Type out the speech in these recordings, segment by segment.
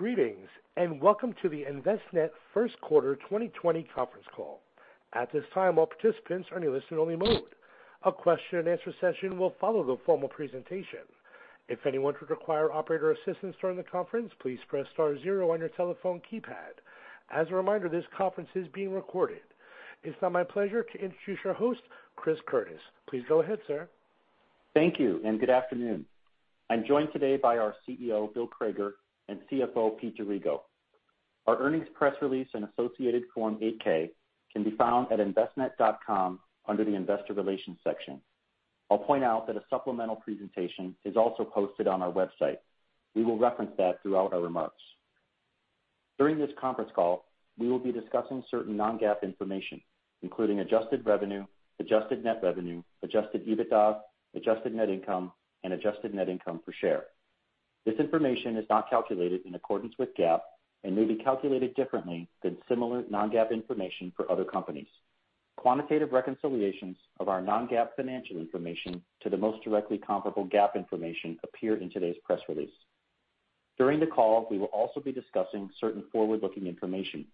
Greetings, and welcome to the Envestnet first quarter 2020 conference call. At this time, all participants are in listen-only mode. A question-and-answer session will follow the formal presentation. If anyone should require operator assistance during the conference, please press star zero on your telephone keypad. As a reminder, this conference is being recorded. It is now my pleasure to introduce our host, Chris Curtis. Please go ahead, sir. Thank you, and good afternoon. I'm joined today by our CEO, Bill Crager, and CFO, Pete D'Arrigo. Our earnings press release and associated Form 8-K can be found at envestnet.com under the Investor Relations section. I'll point out that a supplemental presentation is also posted on our website. We will reference that throughout our remarks. During this conference call, we will be discussing certain non-GAAP information, including adjusted revenue, adjusted net revenue, adjusted EBITDA, adjusted net income, and adjusted net income per share. This information is not calculated in accordance with GAAP and may be calculated differently than similar non-GAAP information for other companies. Quantitative reconciliations of our non-GAAP financial information to the most directly comparable GAAP information appear in today's press release. During the call, we will also be discussing certain forward-looking information.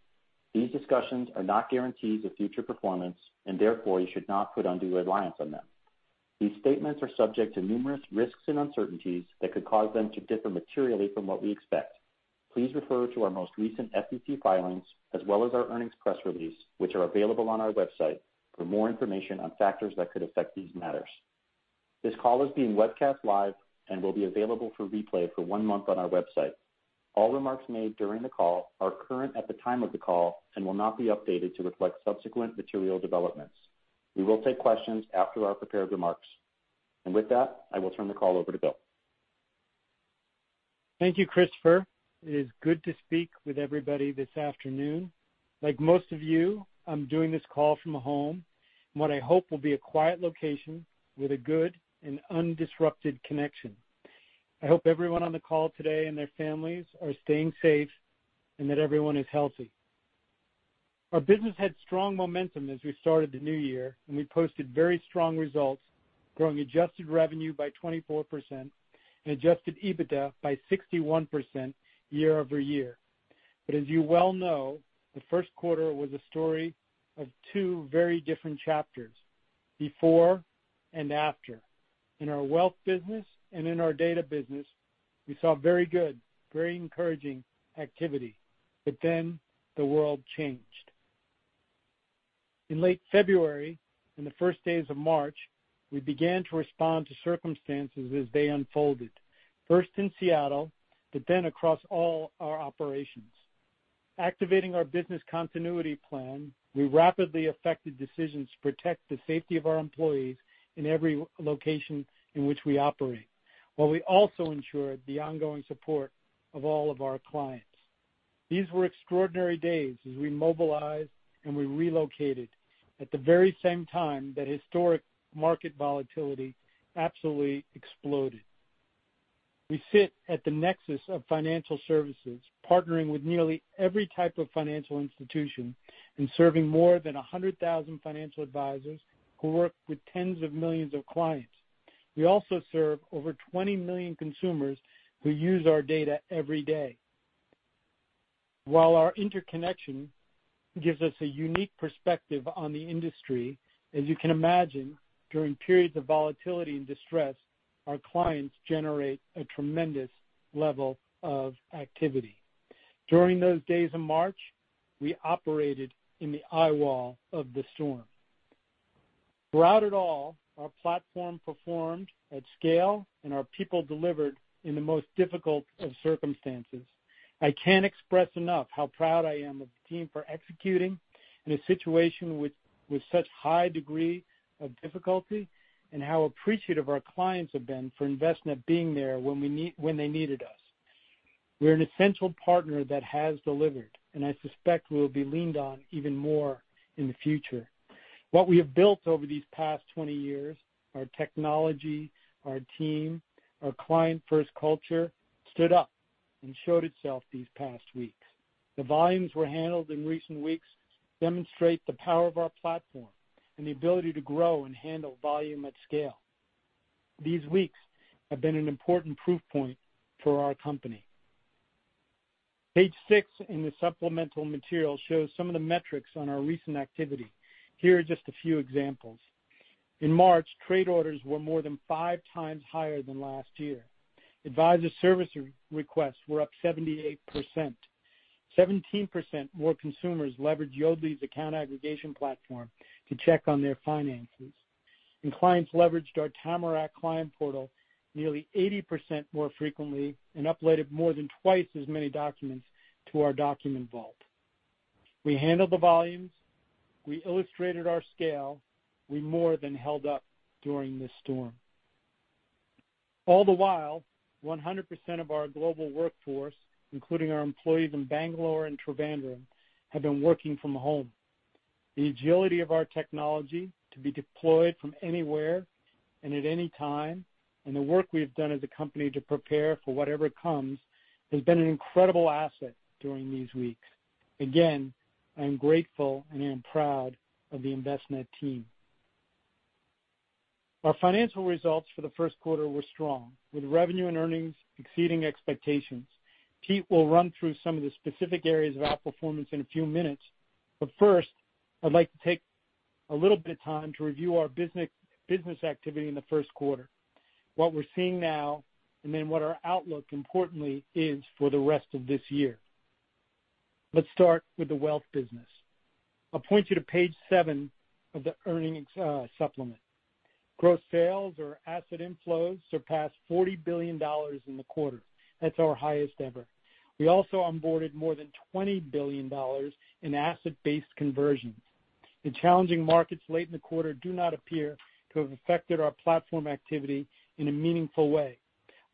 These discussions are not guarantees of future performance, therefore, you should not put undue reliance on them. These statements are subject to numerous risks and uncertainties that could cause them to differ materially from what we expect. Please refer to our most recent SEC filings as well as our earnings press release, which are available on our website for more information on factors that could affect these matters. This call is being webcast live and will be available for replay for one month on our website. All remarks made during the call are current at the time of the call and will not be updated to reflect subsequent material developments. We will take questions after our prepared remarks. With that, I will turn the call over to Bill. Thank you, Chris. It is good to speak with everybody this afternoon. Like most of you, I'm doing this call from home in what I hope will be a quiet location with a good and undisrupted connection. I hope everyone on the call today and their families are staying safe and that everyone is healthy. Our business had strong momentum as we started the new year, and we posted very strong results, growing adjusted revenue by 24% and adjusted EBITDA by 61% year-over-year. As you well know, the first quarter was a story of two very different chapters, before and after. In our wealth business and in our data business, we saw very good, very encouraging activity. Then the world changed. In late February and the first days of March, we began to respond to circumstances as they unfolded. First in Seattle, but then across all our operations. Activating our business continuity plan, we rapidly affected decisions to protect the safety of our employees in every location in which we operate, while we also ensured the ongoing support of all of our clients. These were extraordinary days as we mobilized, and we relocated at the very same time that historic market volatility absolutely exploded. We sit at the nexus of financial services, partnering with nearly every type of financial institution and serving more than 100,000 financial advisors who work with tens of millions of clients. We also serve over 20 million consumers who use our data every day. While our interconnection gives us a unique perspective on the industry, as you can imagine, during periods of volatility and distress, our clients generate a tremendous level of activity. During those days in March, we operated in the eyewall of the storm. Throughout it all, our platform performed at scale, and our people delivered in the most difficult of circumstances. I can't express enough how proud I am of the team for executing in a situation with such high degree of difficulty and how appreciative our clients have been for Envestnet being there when they needed us. We're an essential partner that has delivered, and I suspect we'll be leaned on even more in the future. What we have built over these past 20 years, our technology, our team, our client-first culture stood up and showed itself these past weeks. The volumes were handled in recent weeks demonstrate the power of our platform and the ability to grow and handle volume at scale. These weeks have been an important proof point for our company. Page six in the supplemental material shows some of the metrics on our recent activity. Here are just a few examples. In March, trade orders were more than 5x higher than last year. Advisor service requests were up 78%. 17% more consumers leveraged Yodlee's account aggregation platform to check on their finances. Clients leveraged our Tamarac client portal nearly 80% more frequently and uploaded more than twice as many documents to our document vault. We handled the volumes. We illustrated our scale. We more than held up during this storm. All the while, 100% of our global workforce, including our employees in Bangalore and Trivandrum, have been working from home. The agility of our technology to be deployed from anywhere and at any time, and the work we have done as a company to prepare for whatever comes, has been an incredible asset during these weeks. Again, I am grateful, and I am proud of the Envestnet team. Our financial results for the first quarter were strong, with revenue and earnings exceeding expectations. Pete will run through some of the specific areas of outperformance in a few minutes, but first, I'd like to take a little bit of time to review our business activity in the first quarter, what we're seeing now, and then what our outlook, importantly, is for the rest of this year. Let's start with the wealth business. I'll point you to page seven of the earnings supplement. Gross sales or asset inflows surpassed $40 billion in the quarter. That's our highest ever. We also onboarded more than $20 billion in asset-based conversions. The challenging markets late in the quarter do not appear to have affected our platform activity in a meaningful way.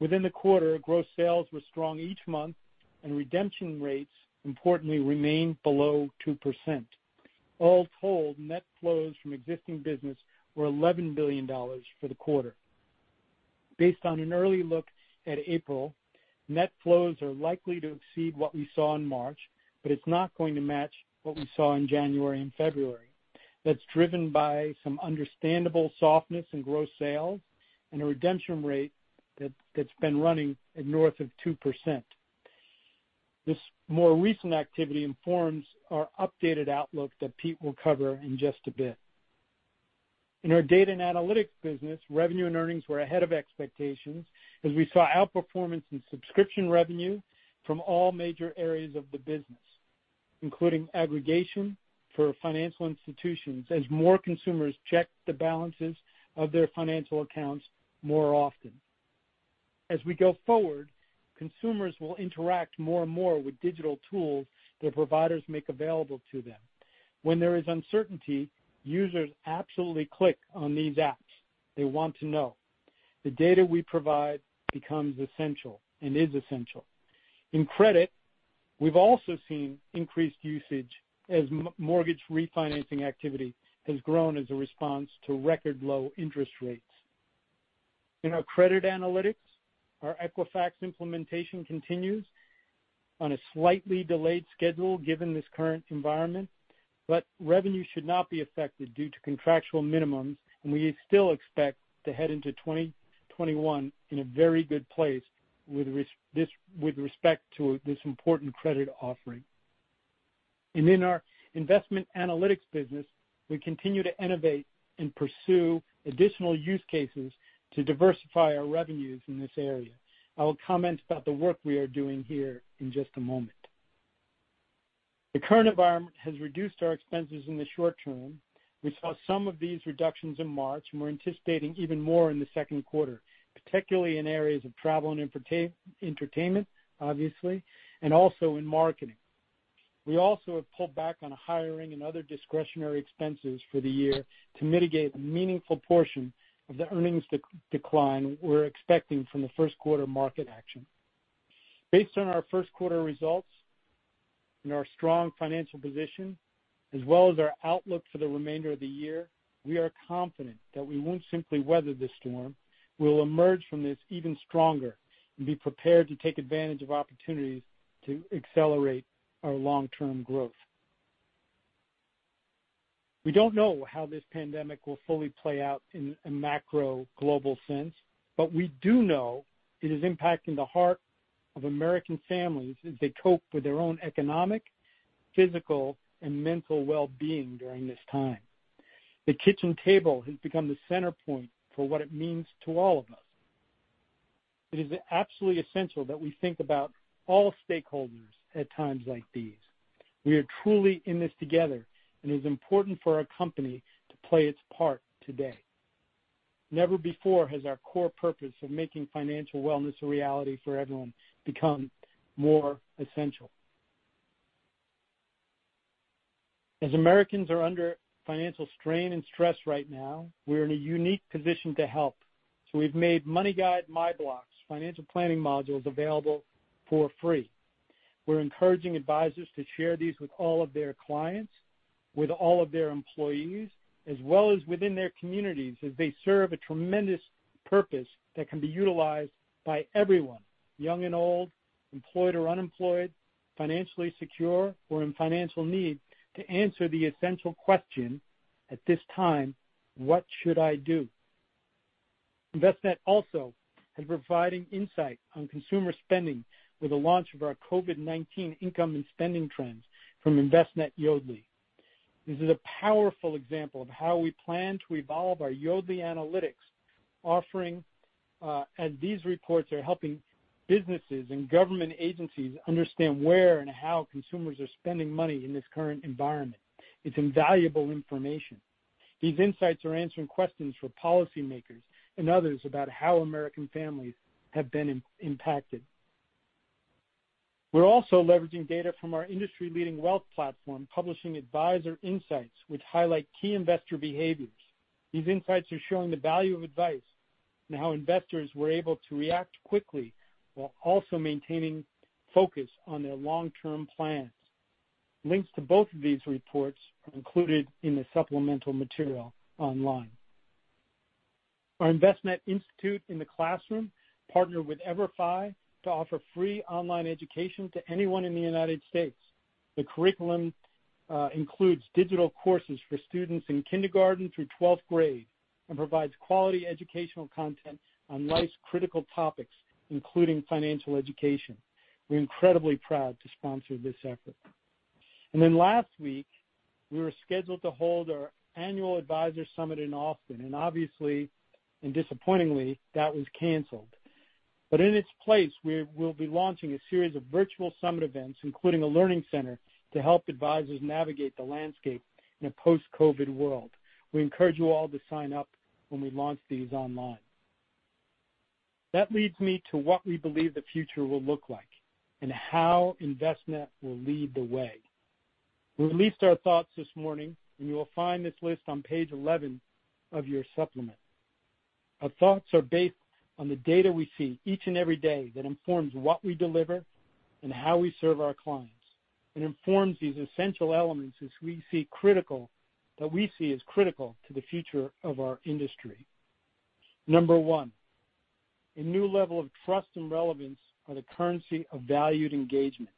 Within the quarter, gross sales were strong each month, and redemption rates, importantly, remained below 2%. All told, net flows from existing business were $11 billion for the quarter. Based on an early look at April, net flows are likely to exceed what we saw in March, but it's not going to match what we saw in January and February. That's driven by some understandable softness in gross sales and a redemption rate that's been running at north of 2%. This more recent activity informs our updated outlook that Pete will cover in just a bit. In our data and analytics business, revenue and earnings were ahead of expectations as we saw outperformance in subscription revenue from all major areas of the business, including aggregation for financial institutions, as more consumers check the balances of their financial accounts more often. As we go forward, consumers will interact more and more with digital tools that providers make available to them. When there is uncertainty, users absolutely click on these apps. They want to know. The data we provide becomes essential and is essential. In credit, we've also seen increased usage as mortgage refinancing activity has grown as a response to record low interest rates. In our credit analytics, our Equifax implementation continues on a slightly delayed schedule given this current environment, but revenue should not be affected due to contractual minimums, and we still expect to head into 2021 in a very good place with respect to this important credit offering. In our investment analytics business, we continue to innovate and pursue additional use cases to diversify our revenues in this area. I will comment about the work we are doing here in just a moment. The current environment has reduced our expenses in the short term. We saw some of these reductions in March, and we're anticipating even more in the second quarter, particularly in areas of travel and entertainment, obviously, and also in marketing. We also have pulled back on hiring and other discretionary expenses for the year to mitigate a meaningful portion of the earnings decline we're expecting from the first quarter market action. Based on our first quarter results and our strong financial position, as well as our outlook for the remainder of the year, we are confident that we won't simply weather this storm. We will emerge from this even stronger and be prepared to take advantage of opportunities to accelerate our long-term growth. We don't know how this pandemic will fully play out in a macro global sense, but we do know it is impacting the heart of American families as they cope with their own economic, physical, and mental well-being during this time. The kitchen table has become the center point for what it means to all of us. It is absolutely essential that we think about all stakeholders at times like these. We are truly in this together, and it is important for our company to play its part today. Never before has our core purpose of making financial wellness a reality for everyone become more essential. As Americans are under financial strain and stress right now, we're in a unique position to help. We've made MoneyGuide MyBlocks financial planning modules available for free. We're encouraging advisors to share these with all of their clients, with all of their employees, as well as within their communities, as they serve a tremendous purpose that can be utilized by everyone, young and old, employed or unemployed, financially secure or in financial need, to answer the essential question at this time: What should I do? Envestnet also is providing insight on consumer spending with the launch of our COVID-19 income and spending trends from Envestnet | Yodlee. This is a powerful example of how we plan to evolve our Yodlee analytics offering, as these reports are helping businesses and government agencies understand where and how consumers are spending money in this current environment. It's invaluable information. These insights are answering questions for policymakers and others about how American families have been impacted. We're also leveraging data from our industry-leading wealth platform, publishing advisor insights, which highlight key investor behaviors. These insights are showing the value of advice and how investors were able to react quickly while also maintaining focus on their long-term plans. Links to both of these reports are included in the supplemental material online. Our Envestnet Institute in the Classroom partnered with EVERFI to offer free online education to anyone in the U.S. The curriculum includes digital courses for students in kindergarten through 12th grade and provides quality educational content on life's critical topics, including financial education. We're incredibly proud to sponsor this effort. Last week, we were scheduled to hold our annual advisor summit in Austin, and obviously, and disappointingly, that was canceled. In its place, we will be launching a series of virtual summit events, including a learning center, to help advisors navigate the landscape in a post-COVID world. We encourage you all to sign up when we launch these online. That leads me to what we believe the future will look like and how Envestnet will lead the way. We released our thoughts this morning, and you will find this list on page 11 of your supplement. Our thoughts are based on the data we see each and every day that informs what we deliver and how we serve our clients and informs these essential elements that we see as critical to the future of our industry. Number one, a new level of trust and relevance are the currency of valued engagement.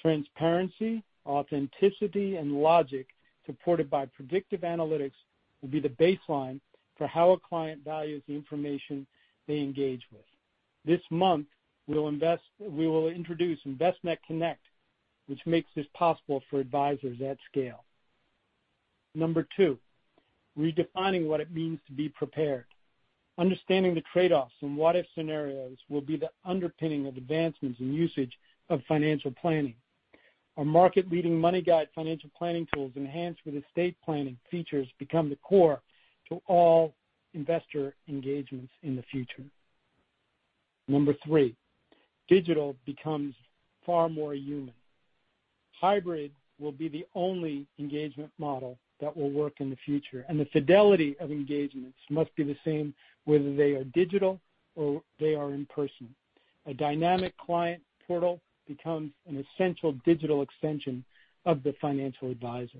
Transparency, authenticity, and logic supported by predictive analytics will be the baseline for how a client values the information they engage with. This month, we will introduce Envestnet Connect, which makes this possible for advisors at scale. Number two, redefining what it means to be prepared. Understanding the trade-offs and what-if scenarios will be the underpinning of advancements in usage of financial planning. Our market-leading MoneyGuide financial planning tools enhanced with estate planning features become the core to all investor engagements in the future. Number three, digital becomes far more human. Hybrid will be the only engagement model that will work in the future, and the fidelity of engagements must be the same whether they are digital or they are in person. A dynamic client portal becomes an essential digital extension of the financial advisor.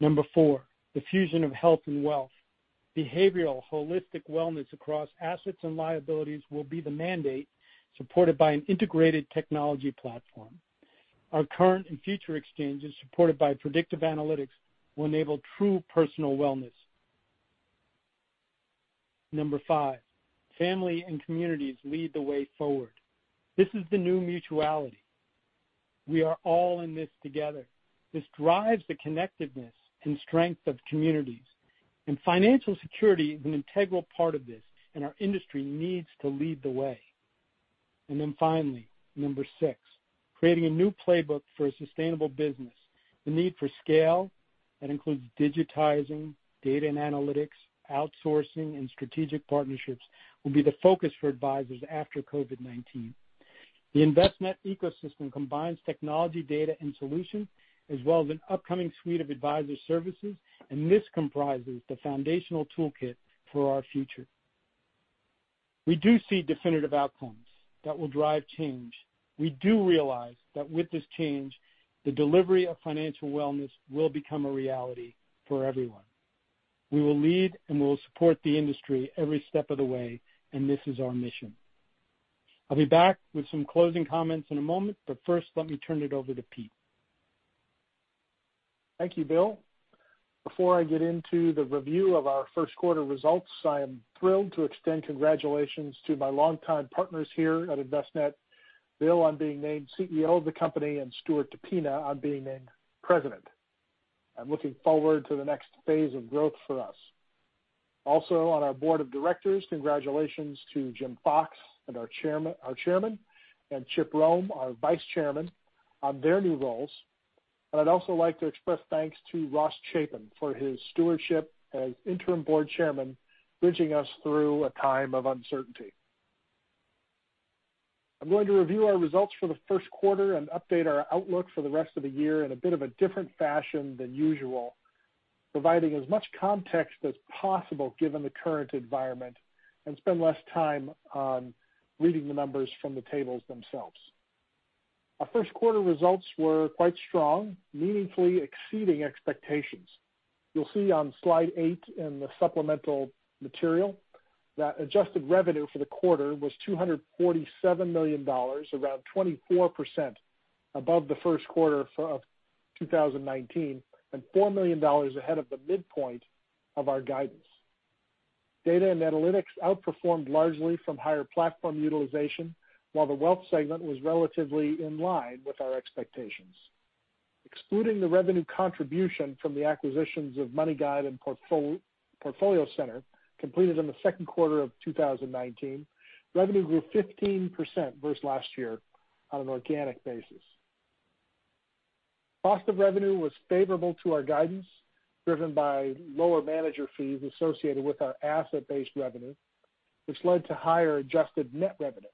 Number four, the fusion of health and wealth. Behavioral holistic wellness across assets and liabilities will be the mandate supported by an integrated technology platform. Our current and future exchanges, supported by predictive analytics, will enable true personal wellness. Number five, family and communities lead the way forward. This is the new mutuality. We are all in this together. This drives the connectedness and strength of communities, and financial security is an integral part of this, and our industry needs to lead the way. Finally, number six, creating a new playbook for a sustainable business. The need for scale that includes digitizing data and analytics, outsourcing, and strategic partnerships will be the focus for advisors after COVID-19. The Envestnet ecosystem combines technology data and solutions, as well as an upcoming suite of advisor services, and this comprises the foundational toolkit for our future. We do see definitive outcomes that will drive change. We do realize that with this change, the delivery of financial wellness will become a reality for everyone. We will lead, and we will support the industry every step of the way, and this is our mission. I'll be back with some closing comments in a moment, but first, let me turn it over to Pete. Thank you, Bill. Before I get into the review of our first quarter results, I am thrilled to extend congratulations to my longtime partners here at Envestnet, Bill, on being named CEO of the company, and Stuart DePina on being named President. I'm looking forward to the next phase of growth for us. Also, on our board of directors, congratulations to James Fox, our Chairman, and Chip Roame, our Vice Chairman, on their new roles. I'd also like to express thanks to Ross Chapin for his stewardship as Interim Board Chairman, bridging us through a time of uncertainty. I'm going to review our results for the first quarter and update our outlook for the rest of the year in a bit of a different fashion than usual, providing as much context as possible given the current environment, and spend less time on reading the numbers from the tables themselves. Our first quarter results were quite strong, meaningfully exceeding expectations. You'll see on slide eight in the supplemental material that adjusted revenue for the quarter was $247 million, around 24% above the first quarter of 2019, and $4 million ahead of the midpoint of our guidance. Data and analytics outperformed largely from higher platform utilization, while the wealth segment was relatively in line with our expectations. Excluding the revenue contribution from the acquisitions of MoneyGuide and PortfolioCenter, completed in the second quarter of 2019, revenue grew 15% versus last year on an organic basis. Cost of revenue was favorable to our guidance, driven by lower manager fees associated with our asset-based revenue, which led to higher adjusted net revenue.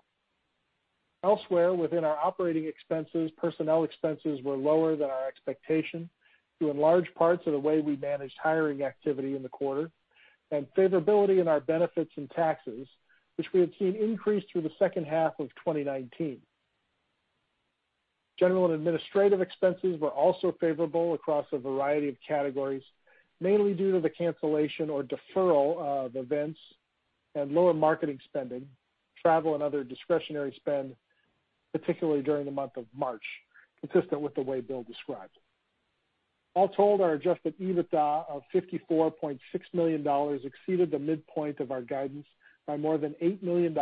Elsewhere within our operating expenses, personnel expenses were lower than our expectation due in large parts of the way we managed hiring activity in the quarter and favorability in our benefits and taxes, which we have seen increase through the second half of 2019. General and administrative expenses were also favorable across a variety of categories, mainly due to the cancellation or deferral of events and lower marketing spending, travel and other discretionary spend, particularly during the month of March, consistent with the way Bill described. All told, our adjusted EBITDA of $54.6 million exceeded the midpoint of our guidance by more than $8 million.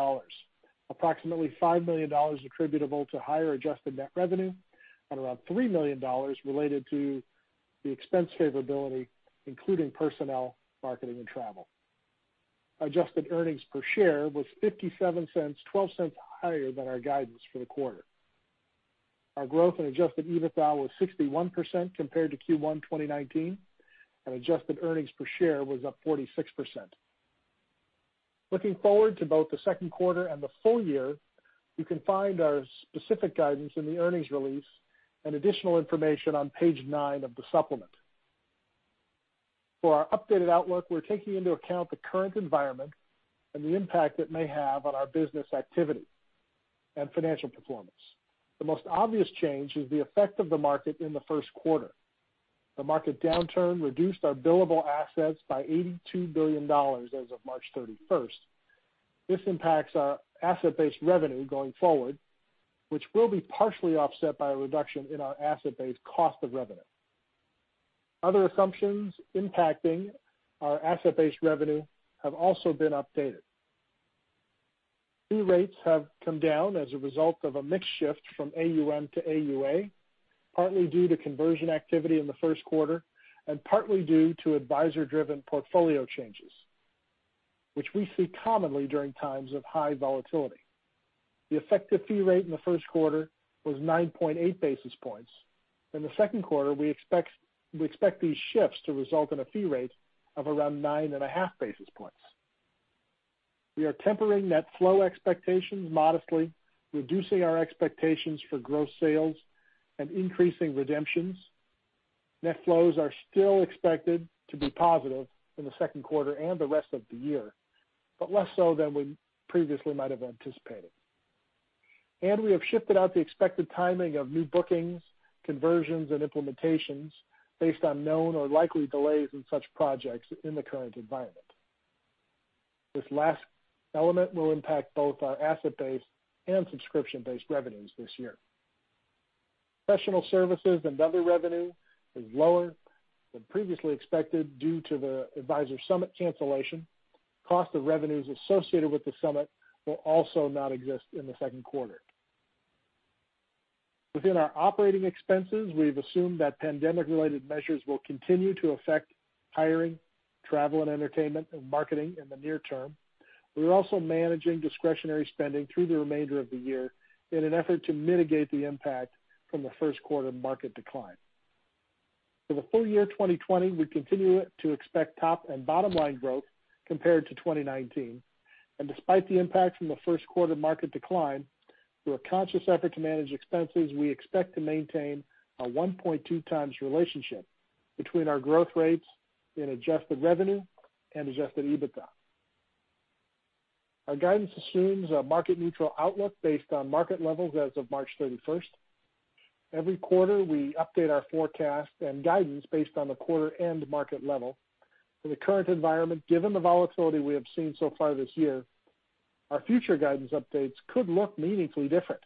Approximately $5 million attributable to higher adjusted net revenue and around $3 million related to the expense favorability, including personnel, marketing, and travel. Adjusted earnings per share was $0.57, $0.12 higher than our guidance for the quarter. Our growth in adjusted EBITDA was 61% compared to Q1 2019, and adjusted earnings per share was up 46%. Looking forward to both the second quarter and the full year, you can find our specific guidance in the earnings release and additional information on page nine of the supplement. For our updated outlook, we're taking into account the current environment and the impact it may have on our business activity and financial performance. The most obvious change is the effect of the market in the first quarter. The market downturn reduced our billable assets by $82 billion as of March 31st. This impacts our asset-based revenue going forward, which will be partially offset by a reduction in our asset-based cost of revenue. Other assumptions impacting our asset-based revenue have also been updated. Fee rates have come down as a result of a mix shift from AUM to AUA, partly due to conversion activity in the first quarter, and partly due to advisor-driven portfolio changes, which we see commonly during times of high volatility. The effective fee rate in the first quarter was 9.8 basis points. In the second quarter, we expect these shifts to result in a fee rate of around 9.5 basis points. We are tempering net flow expectations modestly, reducing our expectations for gross sales and increasing redemptions. Net flows are still expected to be positive in the second quarter and the rest of the year, but less so than we previously might have anticipated. We have shifted out the expected timing of new bookings, conversions, and implementations based on known or likely delays in such projects in the current environment. This last element will impact both our asset-based and subscription-based revenues this year. Professional services and other revenue is lower than previously expected due to the advisor summit cancellation. Cost of revenues associated with the summit will also not exist in the second quarter. Within our operating expenses, we've assumed that pandemic-related measures will continue to affect hiring, travel and entertainment, and marketing in the near term. We are also managing discretionary spending through the remainder of the year in an effort to mitigate the impact from the first quarter market decline. For the full year 2020, we continue to expect top and bottom-line growth compared to 2019. Despite the impact from the first quarter market decline, through a conscious effort to manage expenses, we expect to maintain a 1.2x relationship between our growth rates in adjusted revenue and adjusted EBITDA. Our guidance assumes a market-neutral outlook based on market levels as of March 31st. Every quarter, we update our forecast and guidance based on the quarter and market level. For the current environment, given the volatility we have seen so far this year, our future guidance updates could look meaningfully different.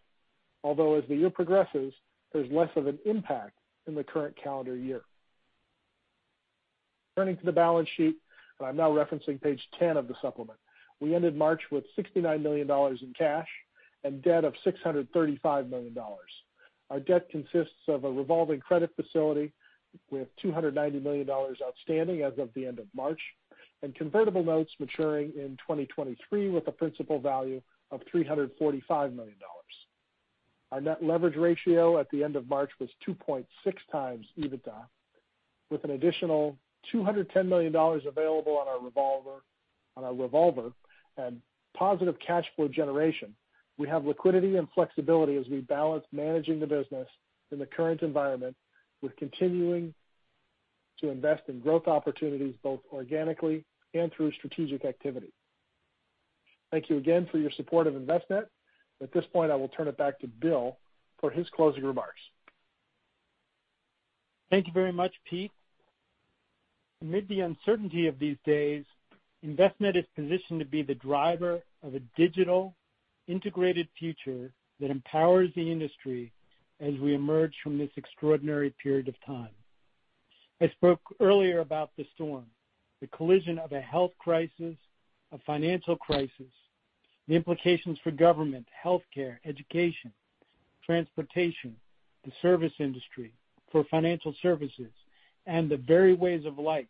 As the year progresses, there's less of an impact in the current calendar year. Turning to the balance sheet, I'm now referencing page 10 of the supplement. We ended March with $69 million in cash and debt of $635 million. Our debt consists of a revolving credit facility with $290 million outstanding as of the end of March, and convertible notes maturing in 2023 with a principal value of $345 million. Our net leverage ratio at the end of March was 2.6x EBITDA, with an additional $210 million available on our revolver and positive cash flow generation. We have liquidity and flexibility as we balance managing the business in the current environment with continuing to invest in growth opportunities both organically and through strategic activity. Thank you again for your support of Envestnet. At this point, I will turn it back to Bill for his closing remarks. Thank you very much, Pete. Amid the uncertainty of these days, Envestnet is positioned to be the driver of a digital, integrated future that empowers the industry as we emerge from this extraordinary period of time. I spoke earlier about the storm, the collision of a health crisis, a financial crisis, the implications for government, healthcare, education, transportation, the service industry, for financial services, and the very ways of life,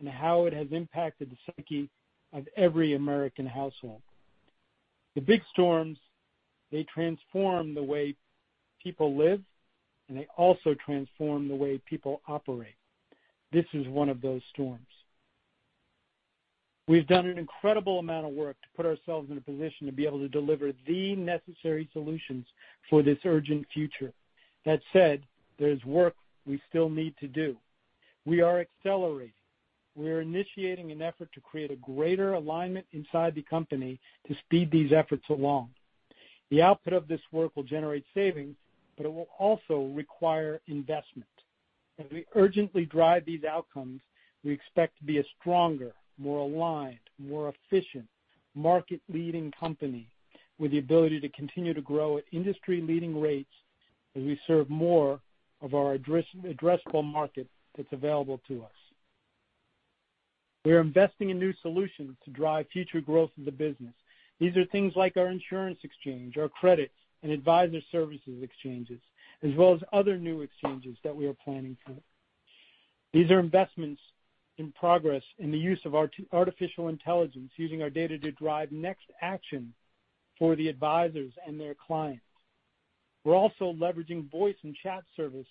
and how it has impacted the psyche of every American household. The big storms, they transform the way people live, and they also transform the way people operate. This is one of those storms. We've done an incredible amount of work to put ourselves in a position to be able to deliver the necessary solutions for this urgent future. That said, there's work we still need to do. We are accelerating. We are initiating an effort to create a greater alignment inside the company to speed these efforts along. The output of this work will generate savings, but it will also require investment. As we urgently drive these outcomes, we expect to be a stronger, more aligned, more efficient, market-leading company with the ability to continue to grow at industry-leading rates as we serve more of our addressable market that's available to us. We are investing in new solutions to drive future growth of the business. These are things like our insurance exchange, our credits, and advisor services exchanges, as well as other new exchanges that we are planning for. These are investments in progress in the use of artificial intelligence, using our data to drive next action for the advisors and their clients. We're also leveraging voice and chat service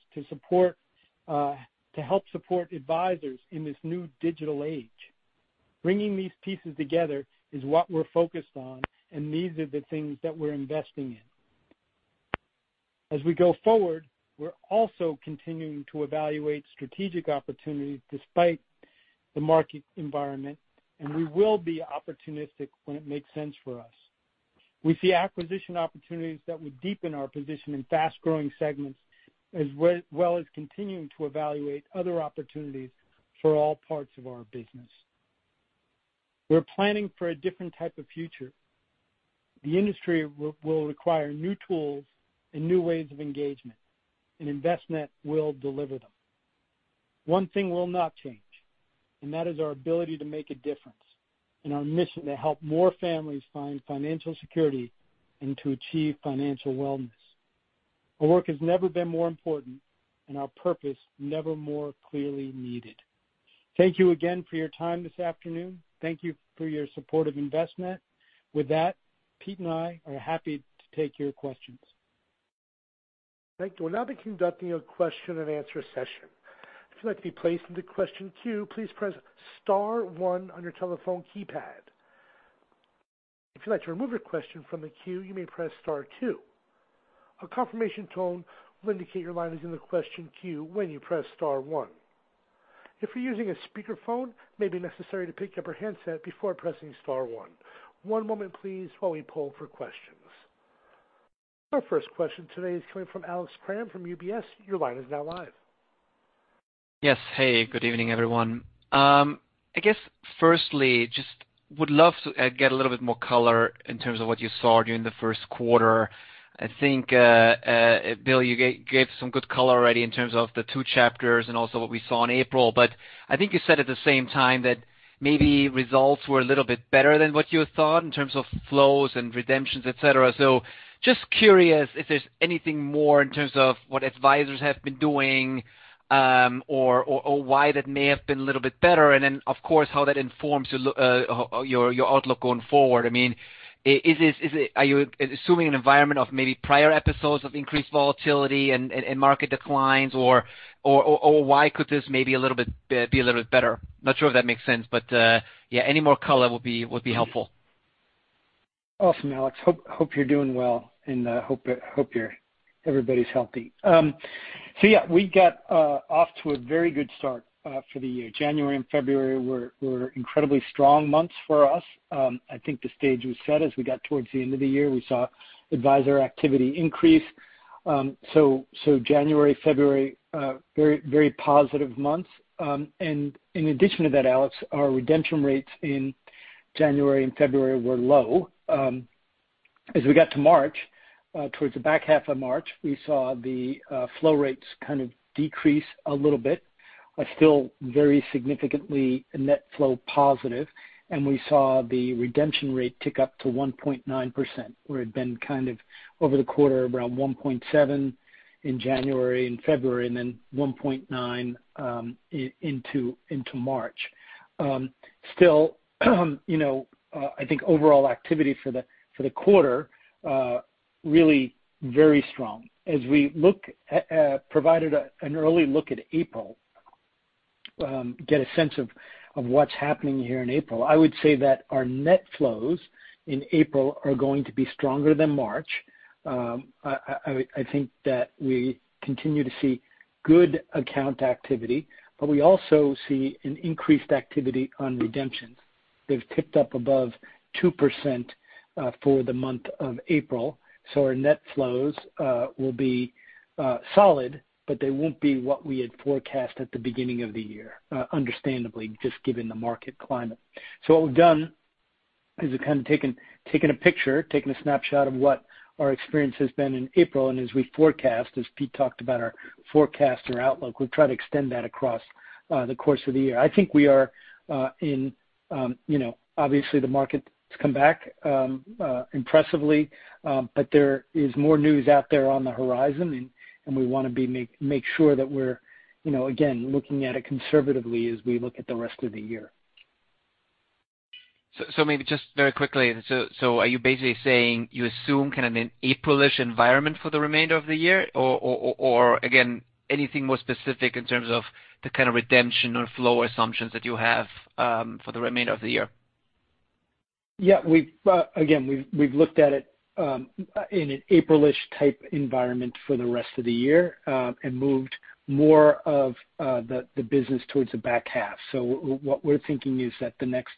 to help support advisors in this new digital age. Bringing these pieces together is what we're focused on, and these are the things that we're investing in. As we go forward, we're also continuing to evaluate strategic opportunities despite the market environment, and we will be opportunistic when it makes sense for us. We see acquisition opportunities that would deepen our position in fast-growing segments, as well as continuing to evaluate other opportunities for all parts of our business. We're planning for a different type of future. The industry will require new tools and new ways of engagement, and Envestnet will deliver them. One thing will not change, and that is our ability to make a difference in our mission to help more families find financial security and to achieve financial wellness. Our work has never been more important and our purpose never more clearly needed. Thank you again for your time this afternoon. Thank you for your support of Envestnet. With that, Pete and I are happy to take your questions. Thank you. We'll now be conducting a question and answer session. If you'd like to be placed into question queue, please press star one on your telephone keypad. If you'd like to remove your question from the queue, you may press star two. A confirmation tone will indicate your line is in the question queue when you press star one. If you're using a speakerphone, it may be necessary to pick up your handset before pressing star one. One moment, please, while we poll for questions. Our first question today is coming from Alex Kramm from UBS. Your line is now live. Yes. Hey, good evening, everyone. I guess firstly, just would love to get a little bit more color in terms of what you saw during the first quarter. I think, Bill, you gave some good color already in terms of the two chapters and also what we saw in April. I think you said at the same time that maybe results were a little bit better than what you had thought in terms of flows and redemptions, et cetera. Just curious if there's anything more in terms of what advisors have been doing or why that may have been a little bit better, of course, how that informs your outlook going forward. Are you assuming an environment of maybe prior episodes of increased volatility and market declines, or why could this may be a little bit better? Not sure if that makes sense, but yeah, any more color would be helpful. Awesome, Alex. Hope you're doing well, and hope everybody's healthy. Yeah, we got off to a very good start for the year. January and February were incredibly strong months for us. I think the stage was set as we got towards the end of the year. We saw advisor activity increase. January, February very positive months. In addition to that, Alex, our redemption rates in January and February were low. As we got to March, towards the back half of March, we saw the flow rates kind of decrease a little bit, but still very significantly net flow positive, and we saw the redemption rate tick up to 1.9%, where it had been kind of over the quarter around 1.7% in January and February, and then 1.9% into March. I think overall activity for the quarter really very strong. As we provided an early look at April, get a sense of what's happening here in April, I would say that our net flows in April are going to be stronger than March. I think that we continue to see good account activity, we also see an increased activity on redemptions. They've ticked up above 2% for the month of April. Our net flows will be solid, they won't be what we had forecast at the beginning of the year, understandably, just given the market climate. What we've done is kind of taken a picture, taken a snapshot of what our experience has been in April, as we forecast, as Pete talked about our forecast or outlook, we've tried to extend that across the course of the year. Obviously, the market's come back impressively, but there is more news out there on the horizon, and we want to make sure that we're, again, looking at it conservatively as we look at the rest of the year. Maybe just very quickly, are you basically saying you assume kind of an April-ish environment for the remainder of the year? Again, anything more specific in terms of the kind of redemption or flow assumptions that you have for the remainder of the year? Yeah. Again, we've looked at it in an April-ish type environment for the rest of the year and moved more of the business towards the back half. What we're thinking is that the next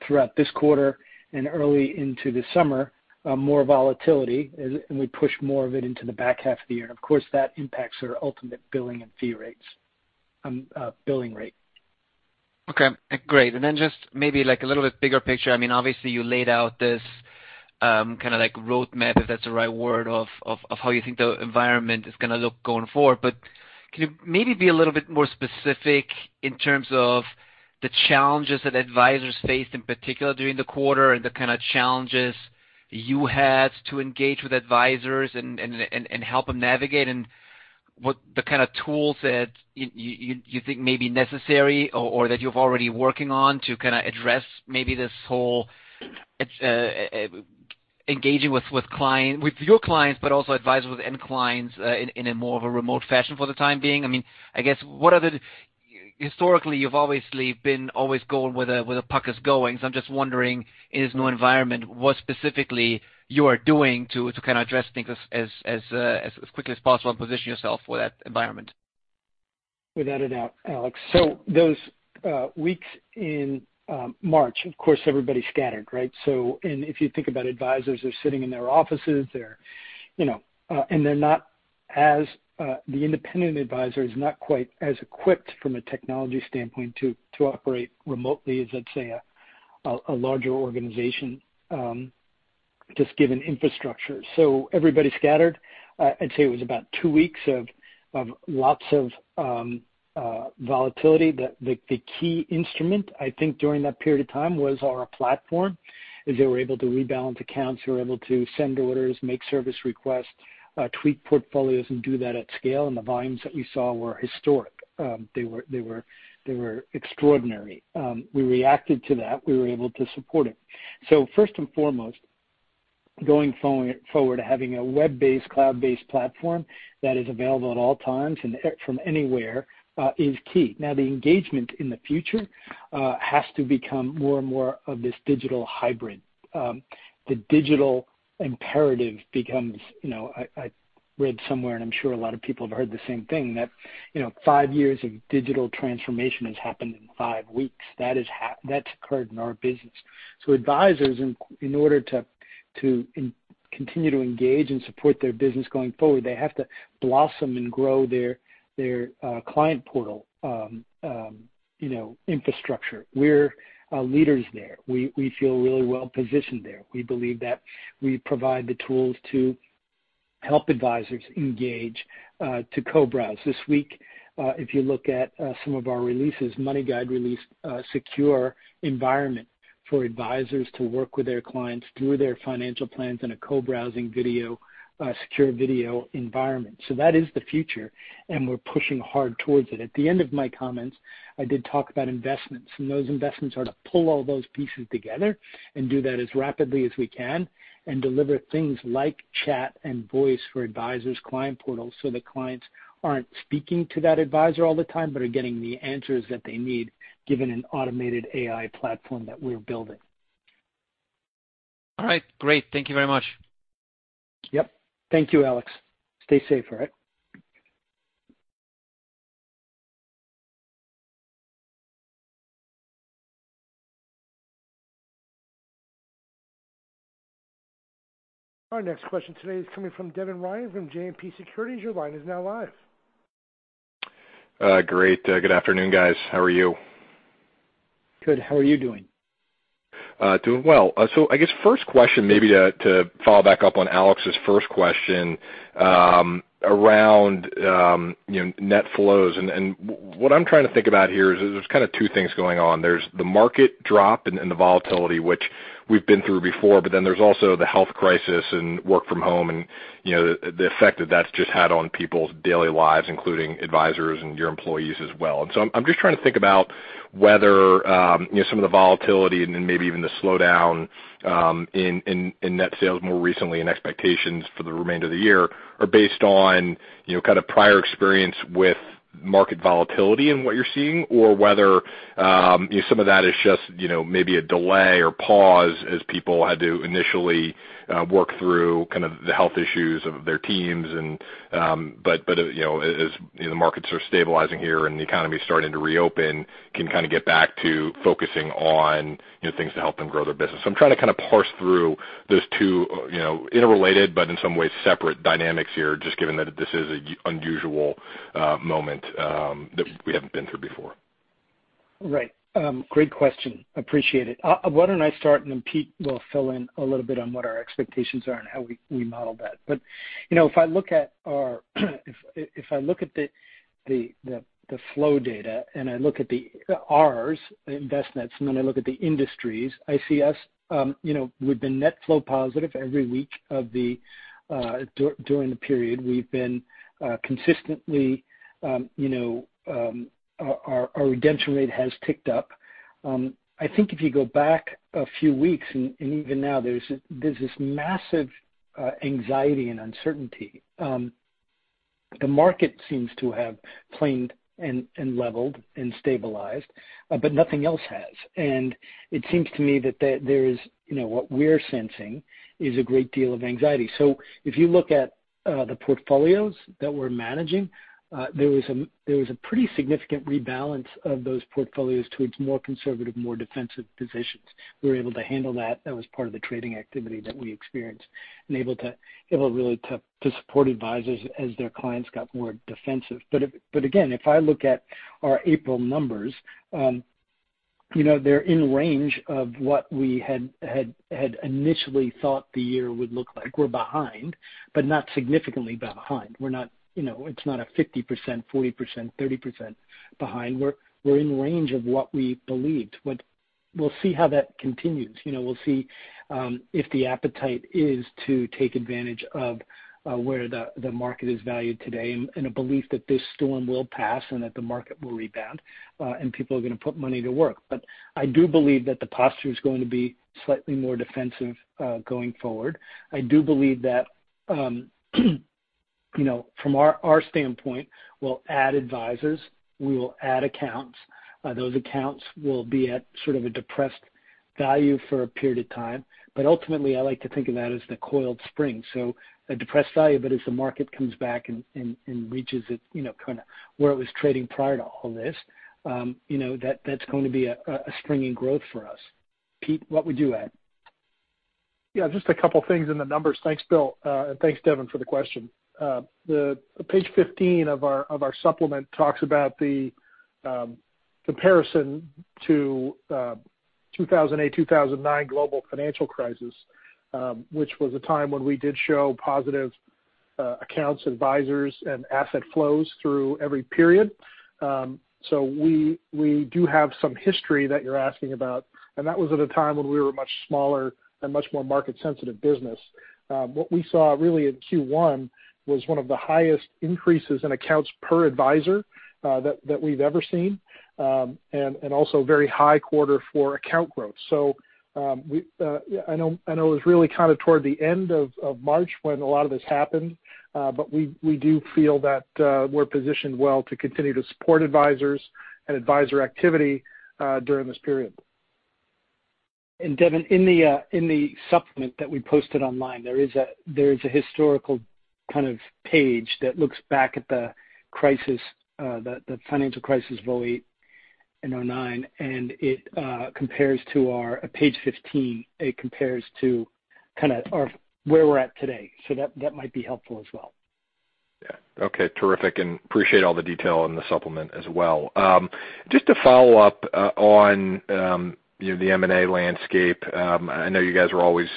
Throughout this quarter and early into the summer, more volatility, and we push more of it into the back half of the year. Of course, that impacts our ultimate billing and fee rates. Okay. Great. Just maybe a little bit bigger picture, obviously you laid out this kind of roadmap, if that's the right word, of how you think the environment is going to look going forward. Can you maybe be a little bit more specific in terms of the challenges that advisors faced, in particular during the quarter, and the kind of challenges you had to engage with advisors and help them navigate, and what the kind of tools that you think may be necessary or that you're already working on to kind of address maybe this whole engaging with your clients, but also advisors and clients in a more of a remote fashion for the time being? I guess, historically, you've obviously been always going where the puck is going. I'm just wondering, in this new environment, what specifically you are doing to kind of address things as quickly as possible and position yourself for that environment? Without a doubt, Alex. Those weeks in March, of course, everybody scattered, right? If you think about it, advisors are sitting in their offices, and the independent advisor is not quite as equipped from a technology standpoint to operate remotely as, let's say, a larger organization, just given infrastructure. Everybody scattered. I'd say it was about two weeks of lots of volatility. The key instrument, I think, during that period of time was our platform, as they were able to rebalance accounts, they were able to send orders, make service requests, tweak portfolios, and do that at scale. The volumes that we saw were historic. They were extraordinary. We reacted to that. We were able to support it. First and foremost, going forward, having a web-based, cloud-based platform that is available at all times and from anywhere is key. The engagement in the future has to become more and more of this digital hybrid. The digital imperative becomes I read somewhere, and I'm sure a lot of people have heard the same thing, that five years of digital transformation has happened in five weeks. That's occurred in our business. Advisors, in order to continue to engage and support their business going forward, they have to blossom and grow their client portal infrastructure. We're leaders there. We feel really well positioned there. We believe that we provide the tools to help advisors engage to co-browse. This week, if you look at some of our releases, MoneyGuide released a secure environment for advisors to work with their clients through their financial plans in a co-browsing secure video environment. That is the future, and we're pushing hard towards it. At the end of my comments, I did talk about investments. Those investments are to pull all those pieces together and do that as rapidly as we can, deliver things like chat and voice for advisors' client portals. The clients aren't speaking to that advisor all the time but are getting the answers that they need, given an automated AI platform that we're building. All right. Great. Thank you very much. Yep. Thank you, Alex. Stay safe, all right? Our next question today is coming from Devin Ryan from JMP Securities. Your line is now live. Great. Good afternoon, guys. How are you? Good. How are you doing? Doing well. I guess first question maybe to follow back up on Alex's first question around net flows. What I'm trying to think about here is there's kind of two things going on. There's the market drop and the volatility, which we've been through before, but then there's also the health crisis and work from home and the effect that that's just had on people's daily lives, including advisors and your employees as well. I'm just trying to think about whether some of the volatility and maybe even the slowdown in net sales more recently and expectations for the remainder of the year are based on kind of prior experience with market volatility in what you're seeing, or whether some of that is just maybe a delay or pause as people had to initially work through the health issues of their teams. As the markets are stabilizing here and the economy's starting to reopen, can kind of get back to focusing on things to help them grow their business. I'm trying to kind of parse through those two interrelated but in some ways separate dynamics here, just given that this is an unusual moment that we haven't been through before. Right. Great question. Appreciate it. Why don't I start, and then Pete will fill in a little bit on what our expectations are and how we model that. If I look at the flow data and I look at the hours, Envestnet's, and then I look at the industries, I see us, we've been net flow positive every week during the period. Our redemption rate has ticked up. I think if you go back a few weeks, and even now, there's this massive anxiety and uncertainty. The market seems to have cleaned and leveled and stabilized, nothing else has. It seems to me that what we're sensing is a great deal of anxiety. If you look at the portfolios that we're managing, there was a pretty significant rebalance of those portfolios towards more conservative, more defensive positions. We were able to handle that. That was part of the trading activity that we experienced, and able really to support advisors as their clients got more defensive. Again, if I look at our April numbers, they're in range of what we had initially thought the year would look like. We're behind, but not significantly behind. It's not a 50%, 40%, 30% behind. We're in range of what we believed. We'll see how that continues. We'll see if the appetite is to take advantage of where the market is valued today, and a belief that this storm will pass and that the market will rebound, and people are going to put money to work. I do believe that the posture is going to be slightly more defensive going forward. I do believe that from our standpoint, we'll add advisors, we will add accounts. Those accounts will be at sort of a depressed value for a period of time. Ultimately, I like to think of that as the coiled spring. A depressed value, but as the market comes back and reaches where it was trading prior to all this, that's going to be a spring in growth for us. Pete, what would you add? Just a couple of things in the numbers. Thanks, Bill, and thanks, Devin, for the question. The page 15 of our supplement talks about the comparison to 2008, 2009 Global Financial Crisis, which was a time when we did show positive accounts, advisors, and asset flows through every period. We do have some history that you're asking about, and that was at a time when we were much smaller and much more market sensitive business. What we saw really in Q1 was one of the highest increases in accounts per advisor that we've ever seen, and also very high quarter for account growth. I know it was really toward the end of March when a lot of this happened. We do feel that we're positioned well to continue to support advisors and advisor activity during this period. Devin, in the supplement that we posted online, there is a historical kind of page that looks back at the financial crisis of 2008 and 2009, and it compares to our page 15, it compares to where we're at today. That might be helpful as well. Yeah. Okay, terrific, and appreciate all the detail in the supplement as well. Just to follow up on the M&A landscape. I know you guys are always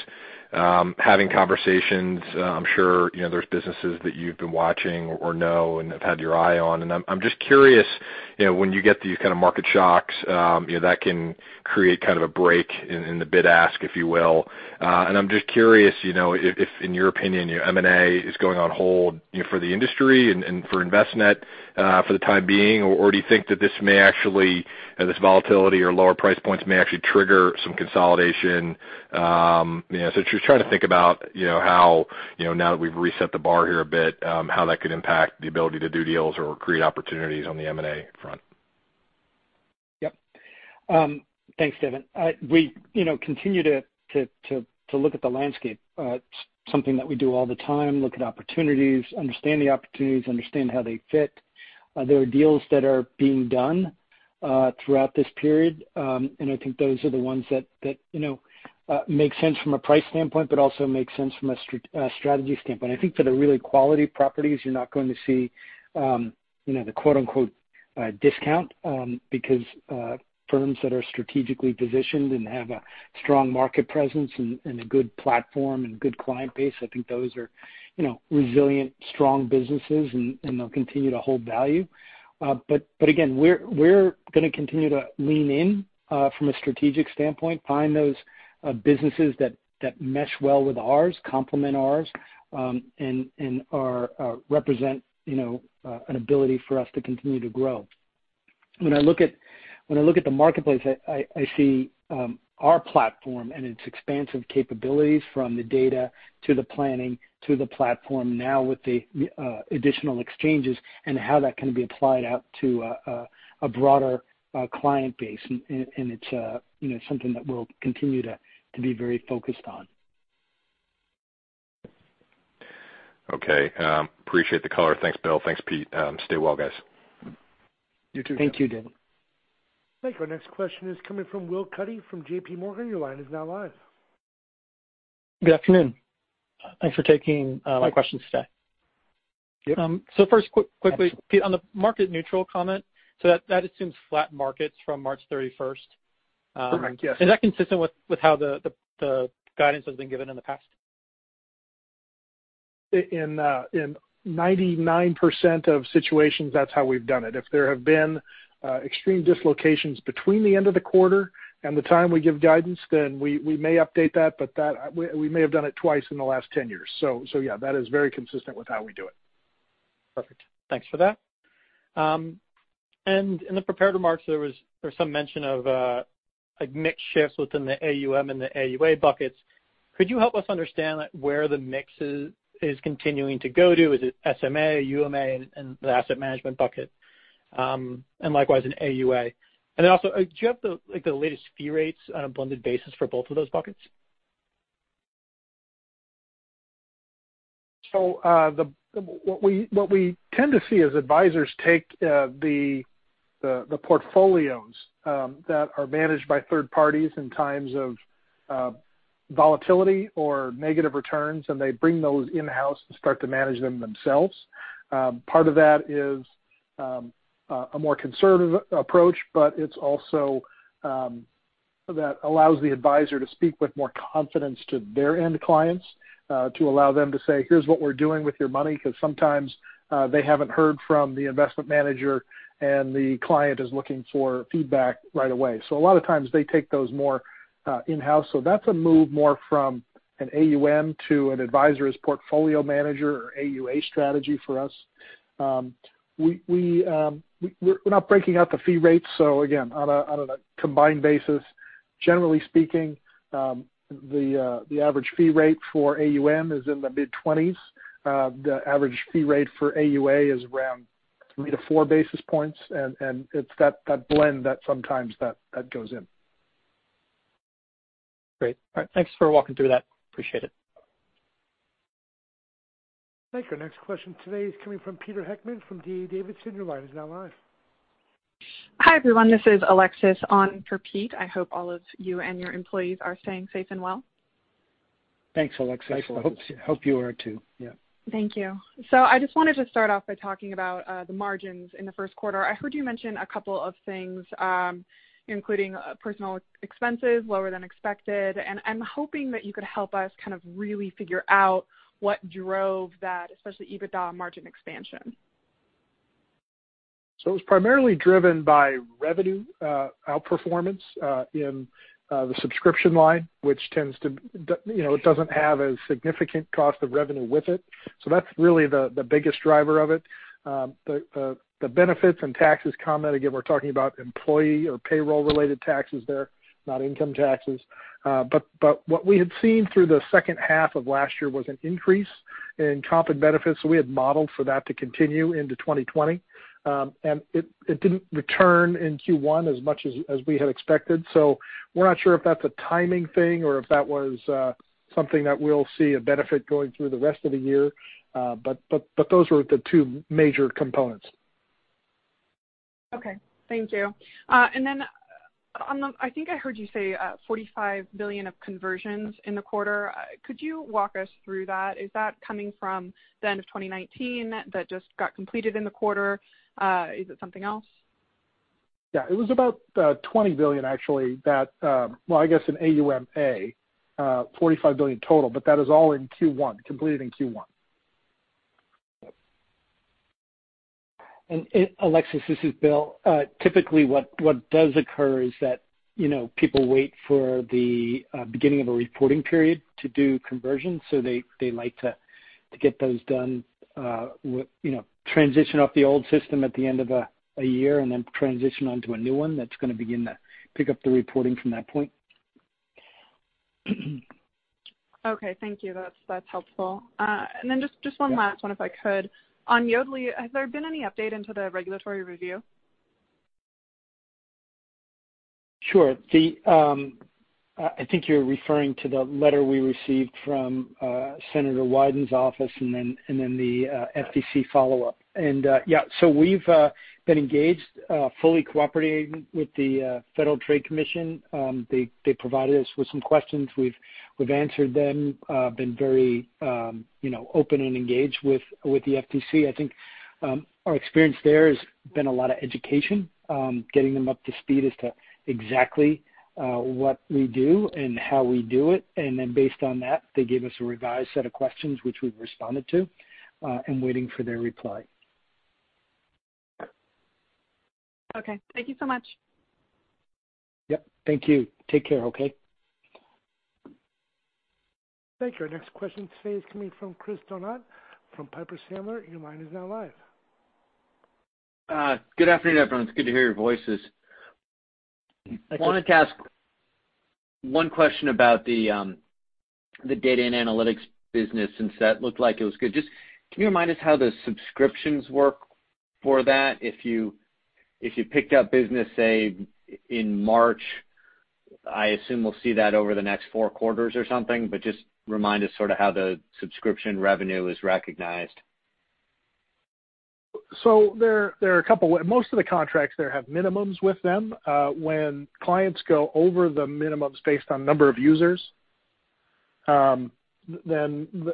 having conversations. I'm sure there's businesses that you've been watching or know and have had your eye on, and I'm just curious, when you get these kind of market shocks, that can create kind of a break in the bid-ask, if you will. I'm just curious, if in your opinion, M&A is going on hold for the industry and for Envestnet for the time being, or do you think that this volatility or lower price points may actually trigger some consolidation? Just trying to think about how, now that we've reset the bar here a bit, how that could impact the ability to do deals or create opportunities on the M&A front. Thanks, Devin. We continue to look at the landscape. Something that we do all the time. We look at opportunities, understand the opportunities, understand how they fit. There are deals that are being done throughout this period. I think those are the ones that make sense from a price standpoint, but also make sense from a strategy standpoint. I think for the really quality properties, you're not going to see the quote, unquote, "discount," because firms that are strategically positioned and have a strong market presence and a good platform and good client base, I think those are resilient, strong businesses, and they'll continue to hold value. Again, we're going to continue to lean in from a strategic standpoint, find those businesses that mesh well with ours, complement ours, and represent an ability for us to continue to grow. When I look at the marketplace, I see our platform and its expansive capabilities from the data to the planning to the platform now with the additional exchanges and how that can be applied out to a broader client base. It's something that we'll continue to be very focused on. Okay. Appreciate the color. Thanks, Bill. Thanks, Pete. Stay well, guys. You too, Devin. Thank you, Devin. Our next question is coming from Will Cuddy from JPMorgan. Your line is now live. Good afternoon. Thanks for taking my questions today. Yep. First, quickly, Pete, on the market neutral comment, so that assumes flat markets from March 31st. Correct. Yes. Is that consistent with how the guidance has been given in the past? In 99% of situations, that's how we've done it. If there have been extreme dislocations between the end of the quarter and the time we give guidance, then we may update that, but we may have done it twice in the last 10 years. Yeah, that is very consistent with how we do it. Perfect. Thanks for that. In the prepared remarks, there was some mention of a mix shift within the AUM and the AUA buckets. Could you help us understand where the mix is continuing to go to? Is it SMA, UMA, and the asset management bucket, and likewise in AUA? Do you have the latest fee rates on a blended basis for both of those buckets? What we tend to see is advisors take the portfolios that are managed by third parties in times of volatility or negative returns, and they bring those in-house and start to manage them themselves. Part of that is a more conservative approach, but it's also that allows the advisor to speak with more confidence to their end clients, to allow them to say, "Here's what we're doing with your money." Because sometimes they haven't heard from the investment manager, and the client is looking for feedback right away. A lot of times they take those more in-house. That's a move more from an AUM to an advisor as portfolio manager or AUA strategy for us. We're not breaking out the fee rates. Again, on a combined basis, generally speaking, the average fee rate for AUM is in the mid-twenties. The average fee rate for AUA is around three to four basis points. It's that blend that sometimes that goes in. Great. All right. Thanks for walking through that. Appreciate it. Thank you. Our next question today is coming from Peter Heckmann from DA Davidson. Your line is now live. Hi, everyone. This is Alexis on for Pete. I hope all of you and your employees are staying safe and well. Thanks, Alexis. I hope you are too. Yeah. Thank you. I just wanted to start off by talking about the margins in the first quarter. I heard you mention a couple of things, including personal expenses, lower than expected, and I'm hoping that you could help us kind of really figure out what drove that, especially EBITDA margin expansion. It was primarily driven by revenue outperformance in the subscription line. It doesn't have a significant cost of revenue with it. That's really the biggest driver of it. The benefits and taxes comment, again, we're talking about employee or payroll-related taxes there, not income taxes. What we had seen through the second half of last year was an increase in comp and benefits. We had modeled for that to continue into 2020. It didn't return in Q1 as much as we had expected. We're not sure if that's a timing thing or if that was something that we'll see a benefit going through the rest of the year. Those were the two major components. Okay. Thank you. I think I heard you say $45 billion of conversions in the quarter. Could you walk us through that? Is that coming from the end of 2019 that just got completed in the quarter? Is it something else? Yeah. It was about $20 billion actually that Well, I guess in AUMA, $45 billion total, but that is all in Q1, completed in Q1. Alexis, this is Bill. Typically what does occur is that people wait for the beginning of a reporting period to do conversions, so they like to get those done. Transition off the old system at the end of a year and then transition onto a new one that's going to begin to pick up the reporting from that point. Okay. Thank you. That's helpful. Then just one last one, if I could. On Yodlee, has there been any update into the regulatory review? Sure. I think you're referring to the letter we received from Senator Wyden's office and then the FTC follow-up. Yeah. We've been engaged, fully cooperating with the Federal Trade Commission. They provided us with some questions. We've answered them, been very open and engaged with the FTC. I think our experience there has been a lot of education, getting them up to speed as to exactly what we do and how we do it. Then based on that, they gave us a revised set of questions which we've responded to, and waiting for their reply. Okay. Thank you so much. Yep. Thank you. Take care, okay. Thank you. Our next question today is coming from Chris Donat from Piper Sandler. Your line is now live. Good afternoon, everyone. It's good to hear your voices. I wanted to ask one question about the data and analytics business since that looked like it was good. Just can you remind us how the subscriptions work for that? If you picked up business, say, in March, I assume we'll see that over the next four quarters or something, just remind us sort of how the subscription revenue is recognized. There are a couple. Most of the contracts there have minimums with them. When clients go over the minimums based on number of users, then the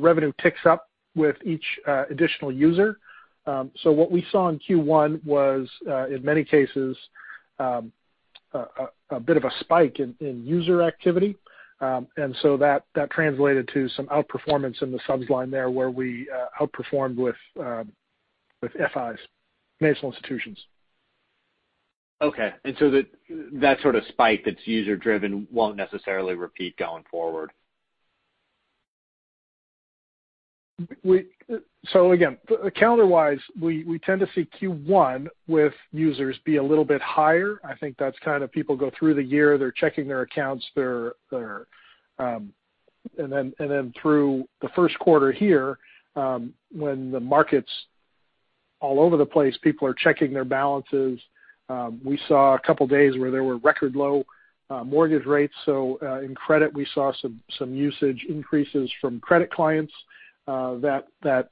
revenue ticks up with each additional user. What we saw in Q1 was, in many cases, a bit of a spike in user activity. That translated to some outperformance in the subs line there where we outperformed with FIs, financial institutions. Okay. That sort of spike that's user-driven won't necessarily repeat going forward. Again, calendar wise, we tend to see Q1 with users be a little bit higher. I think that's kind of people go through the year, they're checking their accounts. Then through the first quarter here, when the markets. All over the place, people are checking their balances. We saw a couple of days where there were record low mortgage rates. In credit, we saw some usage increases from credit clients that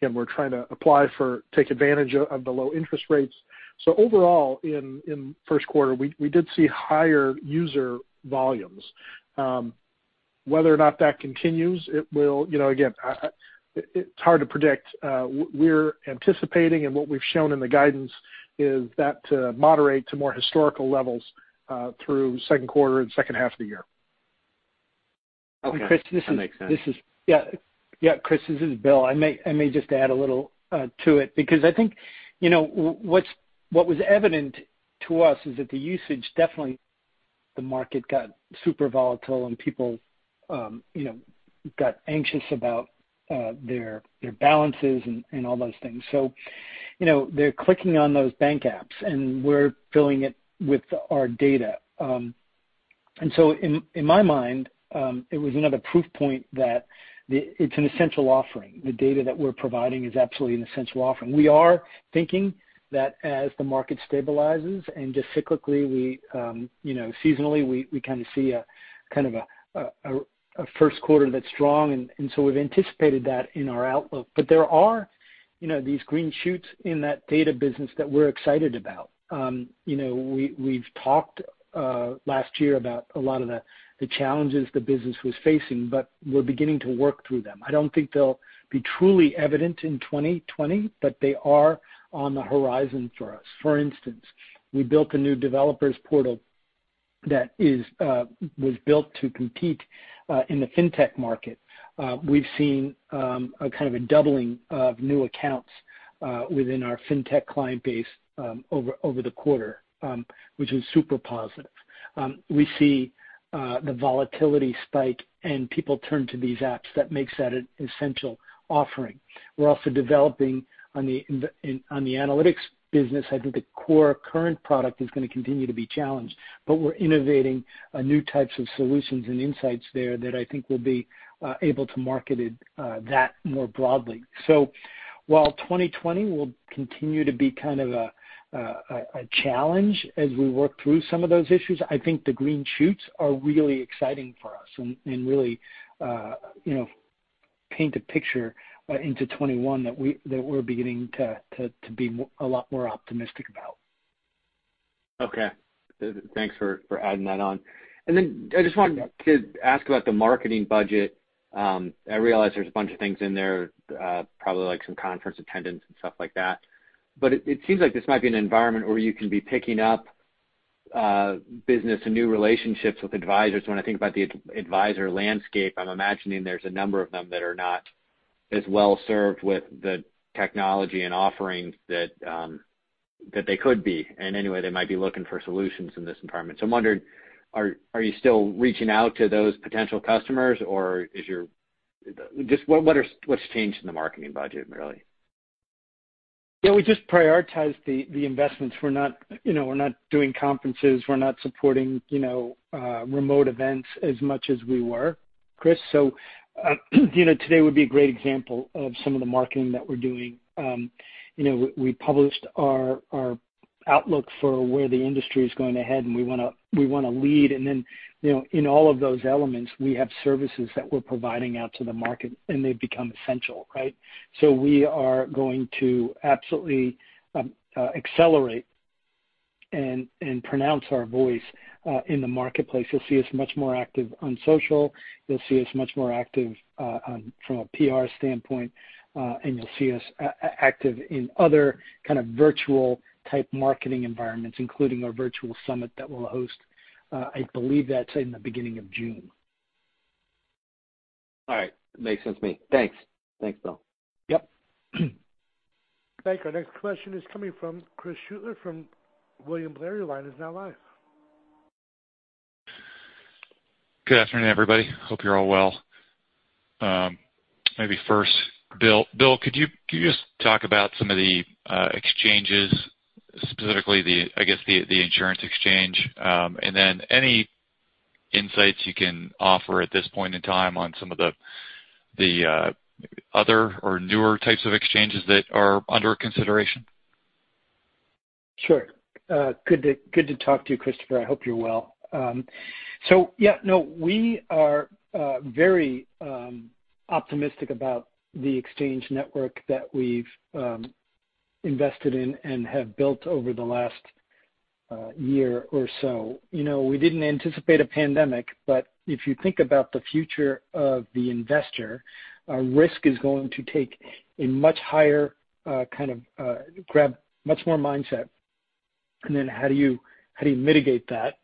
again, we're trying to apply for take advantage of the low interest rates. Overall, in first quarter, we did see higher user volumes. Whether or not that continues, again, it's hard to predict. We're anticipating and what we've shown in the guidance is that to moderate to more historical levels through second quarter and second half of the year. Okay. That makes sense. Yeah. Chris, this is Bill. I may just add a little to it because I think what was evident to us is that the usage, definitely the market got super volatile and people got anxious about their balances and all those things. They're clicking on those bank apps, and we're filling it with our data. In my mind, it was another proof point that it's an essential offering. The data that we're providing is absolutely an essential offering. We are thinking that as the market stabilizes and just cyclically, seasonally, we kind of see a first quarter that's strong. We've anticipated that in our outlook. There are these green shoots in that data business that we're excited about. We've talked last year about a lot of the challenges the business was facing, but we're beginning to work through them. I don't think they'll be truly evident in 2020, but they are on the horizon for us. For instance, we built a new developers portal that was built to compete in the fintech market. We've seen a kind of a doubling of new accounts within our fintech client base over the quarter, which is super positive. We see the volatility spike and people turn to these apps. That makes that an essential offering. We're also developing on the analytics business. I think the core current product is going to continue to be challenged, but we're innovating new types of solutions and insights there that I think will be able to market that more broadly. While 2020 will continue to be kind of a challenge as we work through some of those issues, I think the green shoots are really exciting for us and really paint a picture into 2021 that we're beginning to be a lot more optimistic about. Okay. Thanks for adding that on. I just wanted to ask about the marketing budget. I realize there's a bunch of things in there, probably like some conference attendance and stuff like that. It seems like this might be an environment where you can be picking up business and new relationships with advisors. When I think about the advisor landscape, I'm imagining there's a number of them that are not as well-served with the technology and offerings that they could be. They might be looking for solutions in this environment. I'm wondering, are you still reaching out to those potential customers or just what's changed in the marketing budget, really? Yeah, we just prioritized the investments. We're not doing conferences, we're not supporting remote events as much as we were, Chris. Today would be a great example of some of the marketing that we're doing. We published our outlook for where the industry is going ahead, and we want to lead. In all of those elements, we have services that we're providing out to the market, and they've become essential, right? We are going to absolutely accelerate and pronounce our voice in the marketplace. You'll see us much more active on social, you'll see us much more active from a PR standpoint, and you'll see us active in other kind of virtual type marketing environments, including our virtual summit that we'll host. I believe that's in the beginning of June. All right. Makes sense to me. Thanks. Thanks, Bill. Yep. Thank you. Our next question is coming from Chris Shutler from William Blair. Your line is now live. Good afternoon, everybody. Hope you're all well. First, Bill, could you just talk about some of the exchanges, specifically the, I guess, the insurance exchange, and then any insights you can offer at this point in time on some of the other or newer types of exchanges that are under consideration? Sure. Good to talk to you, Chris. I hope you're well. We are very optimistic about the exchange network that we've invested in and have built over the last year or so. We didn't anticipate a pandemic. If you think about the future of the investor, risk is going to take a much higher kind of grab, much more mindset. How do you mitigate that?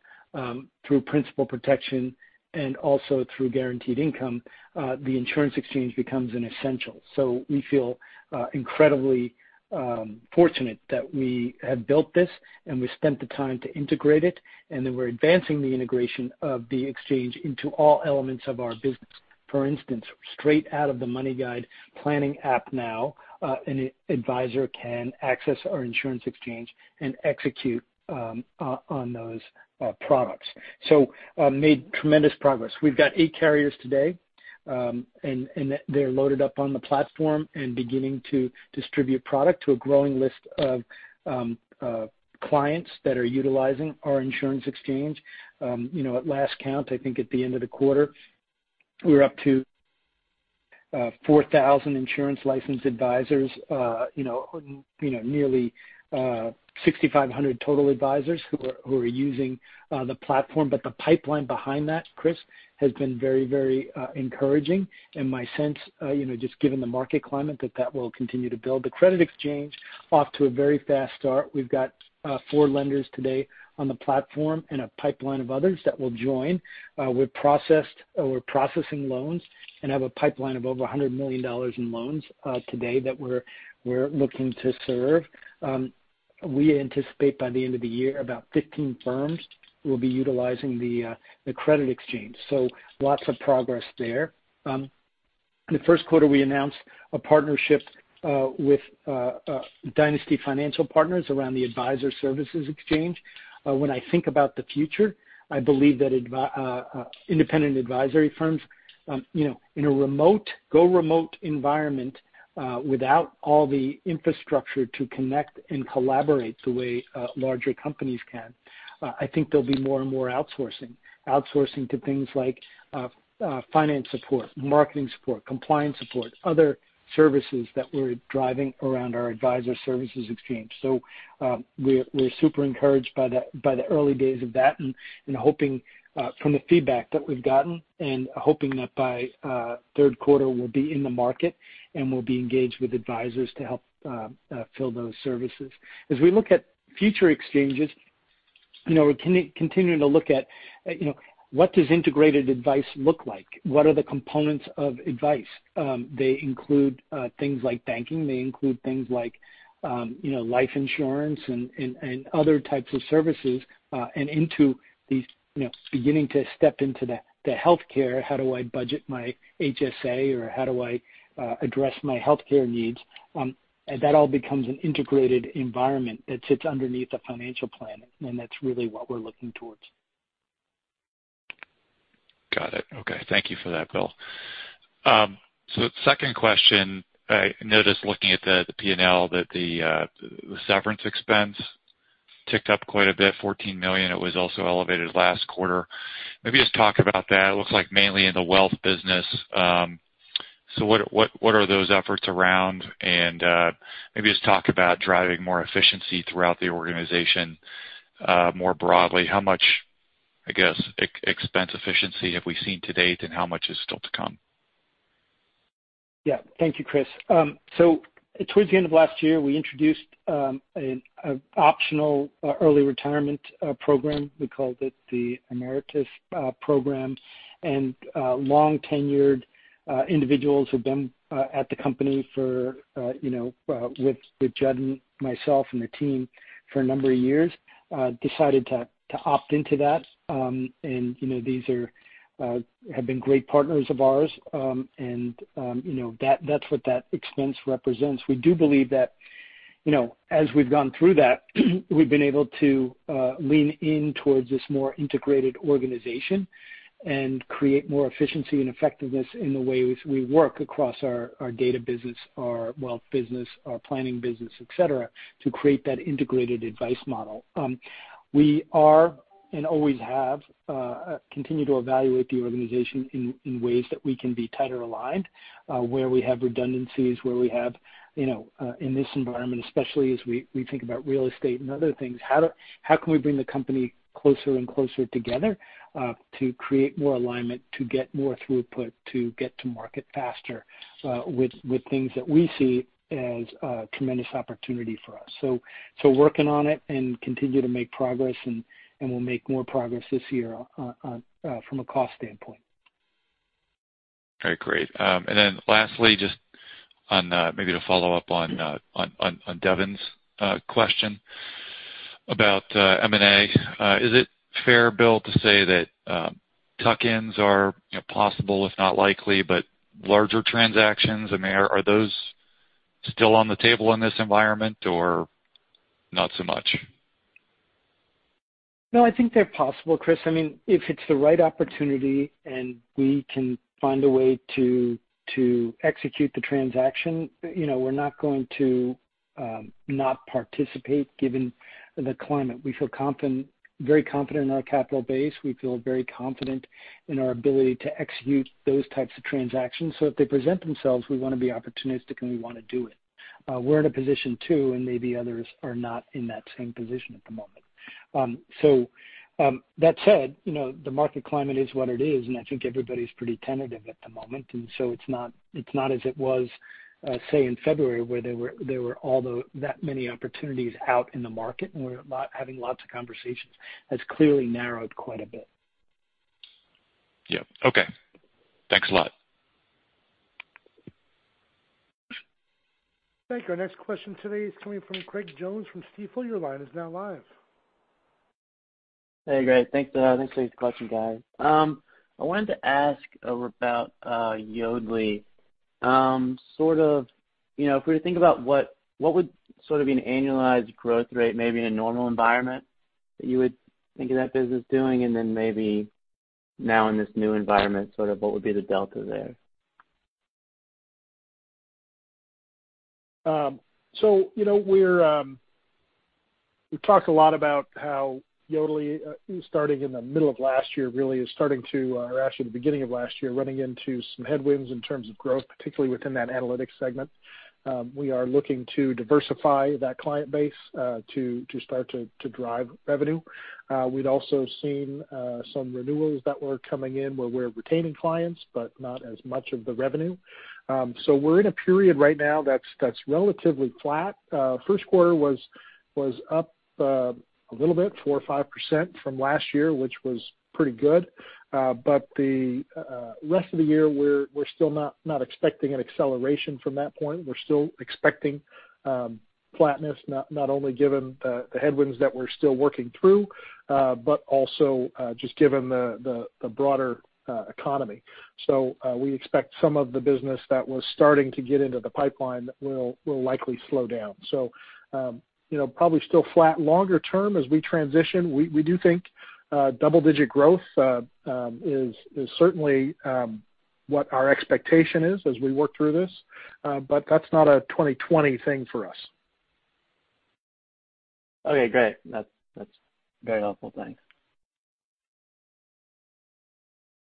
Through principal protection and also through guaranteed income, the insurance exchange becomes an essential. We feel incredibly fortunate that we have built this and we spent the time to integrate it, and then we're advancing the integration of the exchange into all elements of our business. For instance, straight out of the MoneyGuide planning app now, an advisor can access our insurance exchange and execute on those products. We made tremendous progress. We've got eight carriers today. They're loaded up on the platform and beginning to distribute product to a growing list of clients that are utilizing our insurance exchange. At last count, I think at the end of the quarter, we were up to 4,000 insurance licensed advisors, nearly 6,500 total advisors who are using the platform. The pipeline behind that, Chris, has been very encouraging. My sense, just given the market climate, that that will continue to build. The credit exchange, off to a very fast start. We've got four lenders today on the platform and a pipeline of others that will join. We're processing loans and have a pipeline of over $100 million in loans today that we're looking to serve. We anticipate by the end of the year, about 15 firms will be utilizing the credit exchange. Lots of progress there. In the first quarter, we announced a partnership with Dynasty Financial Partners around the Advisor Services Exchange. I think about the future, I believe that independent advisory firms in a go remote environment, without all the infrastructure to connect and collaborate the way larger companies can, I think there'll be more and more outsourcing. Outsourcing to things like finance support, marketing support, compliance support, other services that we're driving around our Advisor Services Exchange. We're super encouraged by the early days of that, and hoping from the feedback that we've gotten, and hoping that by third quarter, we'll be in the market and we'll be engaged with advisors to help fill those services. As we look at future exchanges, we're continuing to look at what does integrated advice look like? What are the components of advice? They include things like banking, they include things like life insurance and other types of services. Beginning to step into the healthcare, how do I budget my HSA or how do I address my healthcare needs? That all becomes an integrated environment that sits underneath a financial plan, and that's really what we're looking towards. Got it. Okay. Thank you for that, Bill. Second question. I noticed looking at the P&L that the severance expense ticked up quite a bit, $14 million. It was also elevated last quarter. Maybe just talk about that. It looks like mainly in the wealth business. What are those efforts around? Maybe just talk about driving more efficiency throughout the organization more broadly. How much, I guess, expense efficiency have we seen to date, and how much is still to come? Yeah. Thank you, Chris. Towards the end of last year, we introduced an optional early retirement program. We called it the Emeritus program. Long-tenured individuals who've been at the company with Jud and myself and the team for a number of years decided to opt into that. These have been great partners of ours. That's what that expense represents. We do believe that as we've gone through that, we've been able to lean in towards this more integrated organization and create more efficiency and effectiveness in the way we work across our data business, our wealth business, our planning business, et cetera, to create that integrated advice model. We are, and always have, continued to evaluate the organization in ways that we can be tighter aligned. Where we have redundancies, where we have, in this environment especially as we think about real estate and other things, how can we bring the company closer and closer together to create more alignment, to get more throughput, to get to market faster with things that we see as a tremendous opportunity for us. Working on it and continue to make progress, and we'll make more progress this year from a cost standpoint. All right, great. Lastly, just maybe to follow up on Devin's question about M&A. Is it fair, Bill, to say that tuck-ins are possible, if not likely, but larger transactions, are those still on the table in this environment or not so much? I think they're possible, Chris. If it's the right opportunity and we can find a way to execute the transaction, we're not going to not participate given the climate. We feel very confident in our capital base. We feel very confident in our ability to execute those types of transactions. If they present themselves, we want to be opportunistic and we want to do it. We're in a position too, maybe others are not in that same position at the moment. That said, the market climate is what it is, and I think everybody's pretty tentative at the moment. It's not as it was, say, in February, where there were that many opportunities out in the market, and we're having lots of conversations. That's clearly narrowed quite a bit. Yeah. Okay. Thanks a lot. Thank you. Our next question today is coming from Greg Jones from Stifel. Your line is now live. Hey, great. Thanks for the question, guys. I wanted to ask about Yodlee. If we were to think about what would sort of be an annualized growth rate, maybe in a normal environment that you would think of that business doing, and then maybe now in this new environment, sort of what would be the delta there? We talk a lot about how Yodlee, starting in the middle of last year, or actually the beginning of last year, running into some headwinds in terms of growth, particularly within that analytics segment. We are looking to diversify that client base to start to drive revenue. We'd also seen some renewals that were coming in where we're retaining clients, but not as much of the revenue. We're in a period right now that's relatively flat. First quarter was up a little bit, 4% or 5% from last year, which was pretty good. The rest of the year, we're still not expecting an acceleration from that point. We're still expecting flatness, not only given the headwinds that we're still working through, but also just given the broader economy. We expect some of the business that was starting to get into the pipeline will likely slow down. Probably still flat longer term as we transition. We do think double-digit growth is certainly what our expectation is as we work through this. That's not a 2020 thing for us. Okay, great. That's very helpful. Thanks.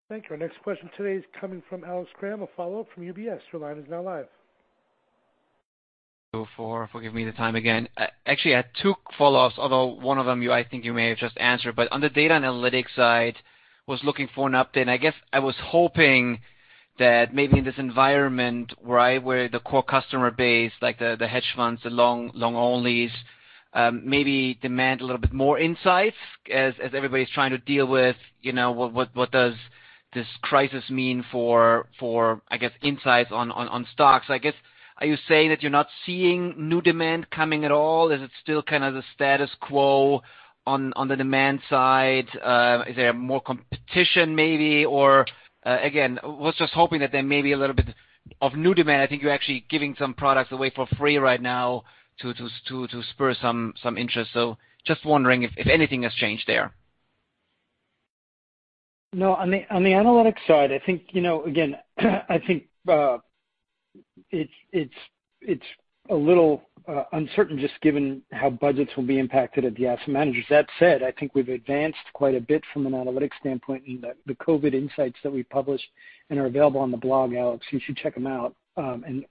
Thank you. Our next question today is coming from Alex Kramm, a follow-up from UBS. Your line is now live. For giving me the time again. Actually, I had two follow-ups, although one of them I think you may have just answered. On the data analytics side, was looking for an update, and I guess I was hoping that maybe in this environment where the core customer base, like the hedge funds, the long onlys, maybe demand a little bit more insights as everybody's trying to deal with what does this crisis mean for, I guess, insights on stocks. I guess, are you saying that you're not seeing new demand coming at all? Is it still kind of the status quo on the demand side? Is there more competition maybe? Again, was just hoping that there may be a little bit of new demand. I think you're actually giving some products away for free right now to spur some interest. Just wondering if anything has changed there. No, on the analytics side, I think, again, it's a little uncertain just given how budgets will be impacted at the asset managers. That said, I think we've advanced quite a bit from an analytics standpoint in the COVID insights that we published and are available on the blog, Alex. You should check them out.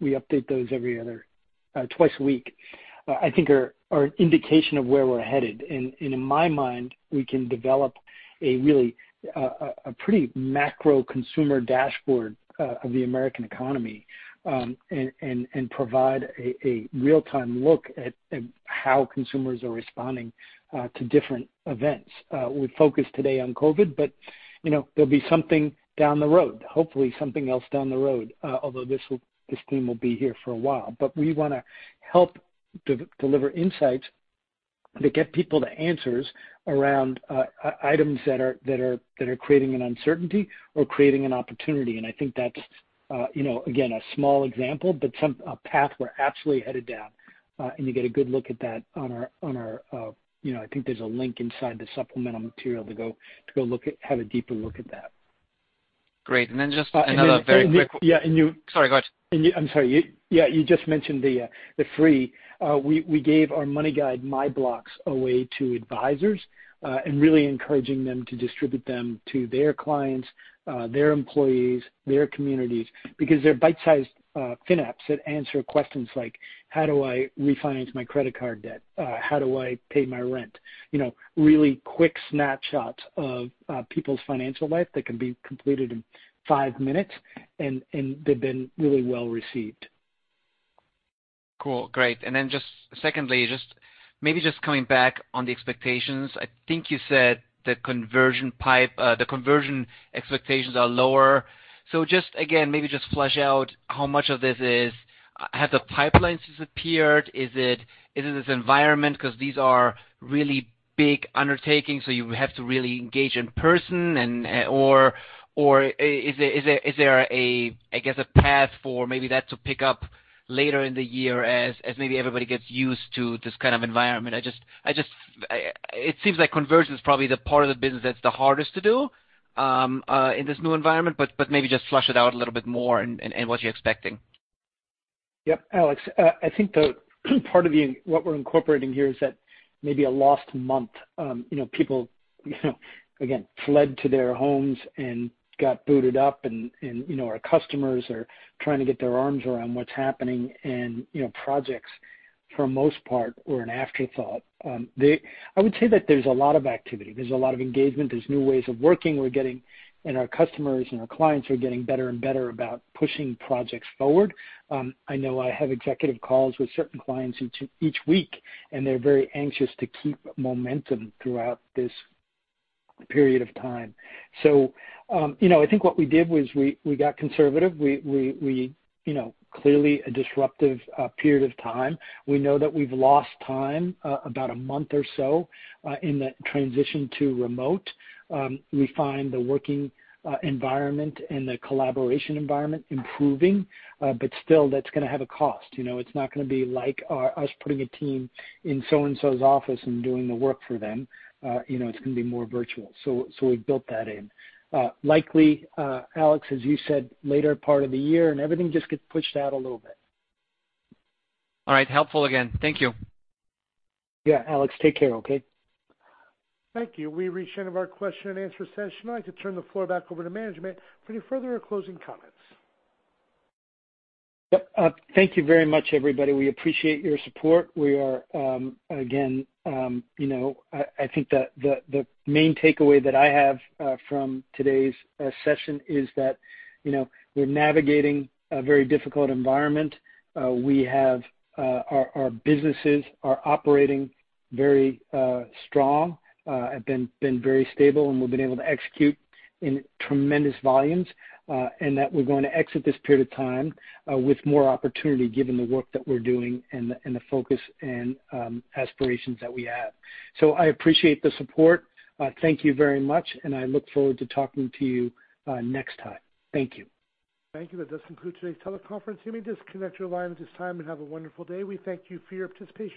We update those twice a week. I think are an indication of where we're headed. In my mind, we can develop a really pretty macro consumer dashboard of the American economy, and provide a real-time look at how consumers are responding to different events. We focus today on COVID, but there'll be something down the road. Hopefully, something else down the road, although this theme will be here for a while. We want to help deliver insights that get people the answers around items that are creating an uncertainty or creating an opportunity. I think that's, again, a small example, but a path we're absolutely headed down. You get a good look at that on our I think there's a link inside the supplemental material to go have a deeper look at that. Great. just another very quick- And then- Sorry, go ahead. I'm sorry. Yeah, you just mentioned the free. We gave our MoneyGuide, MyBlocks, away to advisors, and really encouraging them to distribute them to their clients, their employees, their communities, because they're bite-sized FinApps that answer questions like, how do I refinance my credit card debt? How do I pay my rent? Really quick snapshots of people's financial life that can be completed in five minutes, and they've been really well-received. Cool. Great. Just secondly, maybe just coming back on the expectations. I think you said the conversion expectations are lower. Just again, maybe just flesh out how much of this is. Have the pipelines disappeared? Is it this environment because these are really big undertakings, so you have to really engage in person? Or is there a path for maybe that to pick up later in the year as maybe everybody gets used to this kind of environment? It seems like conversion is probably the part of the business that's the hardest to do in this new environment, but maybe just flesh it out a little bit more and what you're expecting. Yep, Alex. I think the part of what we're incorporating here is that maybe a lost month. People, again, fled to their homes and got booted up. Our customers are trying to get their arms around what's happening, and projects, for the most part, were an afterthought. I would say that there's a lot of activity. There's a lot of engagement. There's new ways of working we're getting. Our customers and our clients are getting better and better about pushing projects forward. I know I have executive calls with certain clients each week. They're very anxious to keep momentum throughout this period of time. I think what we did was we got conservative. Clearly a disruptive period of time. We know that we've lost time, about a month or so, in that transition to remote. We find the working environment and the collaboration environment improving. Still, that's going to have a cost. It's not going to be like us putting a team in so-and-so's office and doing the work for them. It's going to be more virtual. We built that in. Likely, Alex, as you said, later part of the year, and everything just gets pushed out a little bit. All right. Helpful again. Thank you. Yeah, Alex. Take care, okay? Thank you. We've reached the end of our question-and-answer session. I'd like to turn the floor back over to management for any further or closing comments. Thank you very much, everybody. We appreciate your support. I think the main takeaway that I have from today's session is that we're navigating a very difficult environment. Our businesses are operating very strong, have been very stable, and we've been able to execute in tremendous volumes. We're going to exit this period of time with more opportunity given the work that we're doing and the focus and aspirations that we have. I appreciate the support. Thank you very much, and I look forward to talking to you next time. Thank you. Thank you. That does conclude today's teleconference. You may disconnect your lines at this time, and have a wonderful day. We thank you for your participation.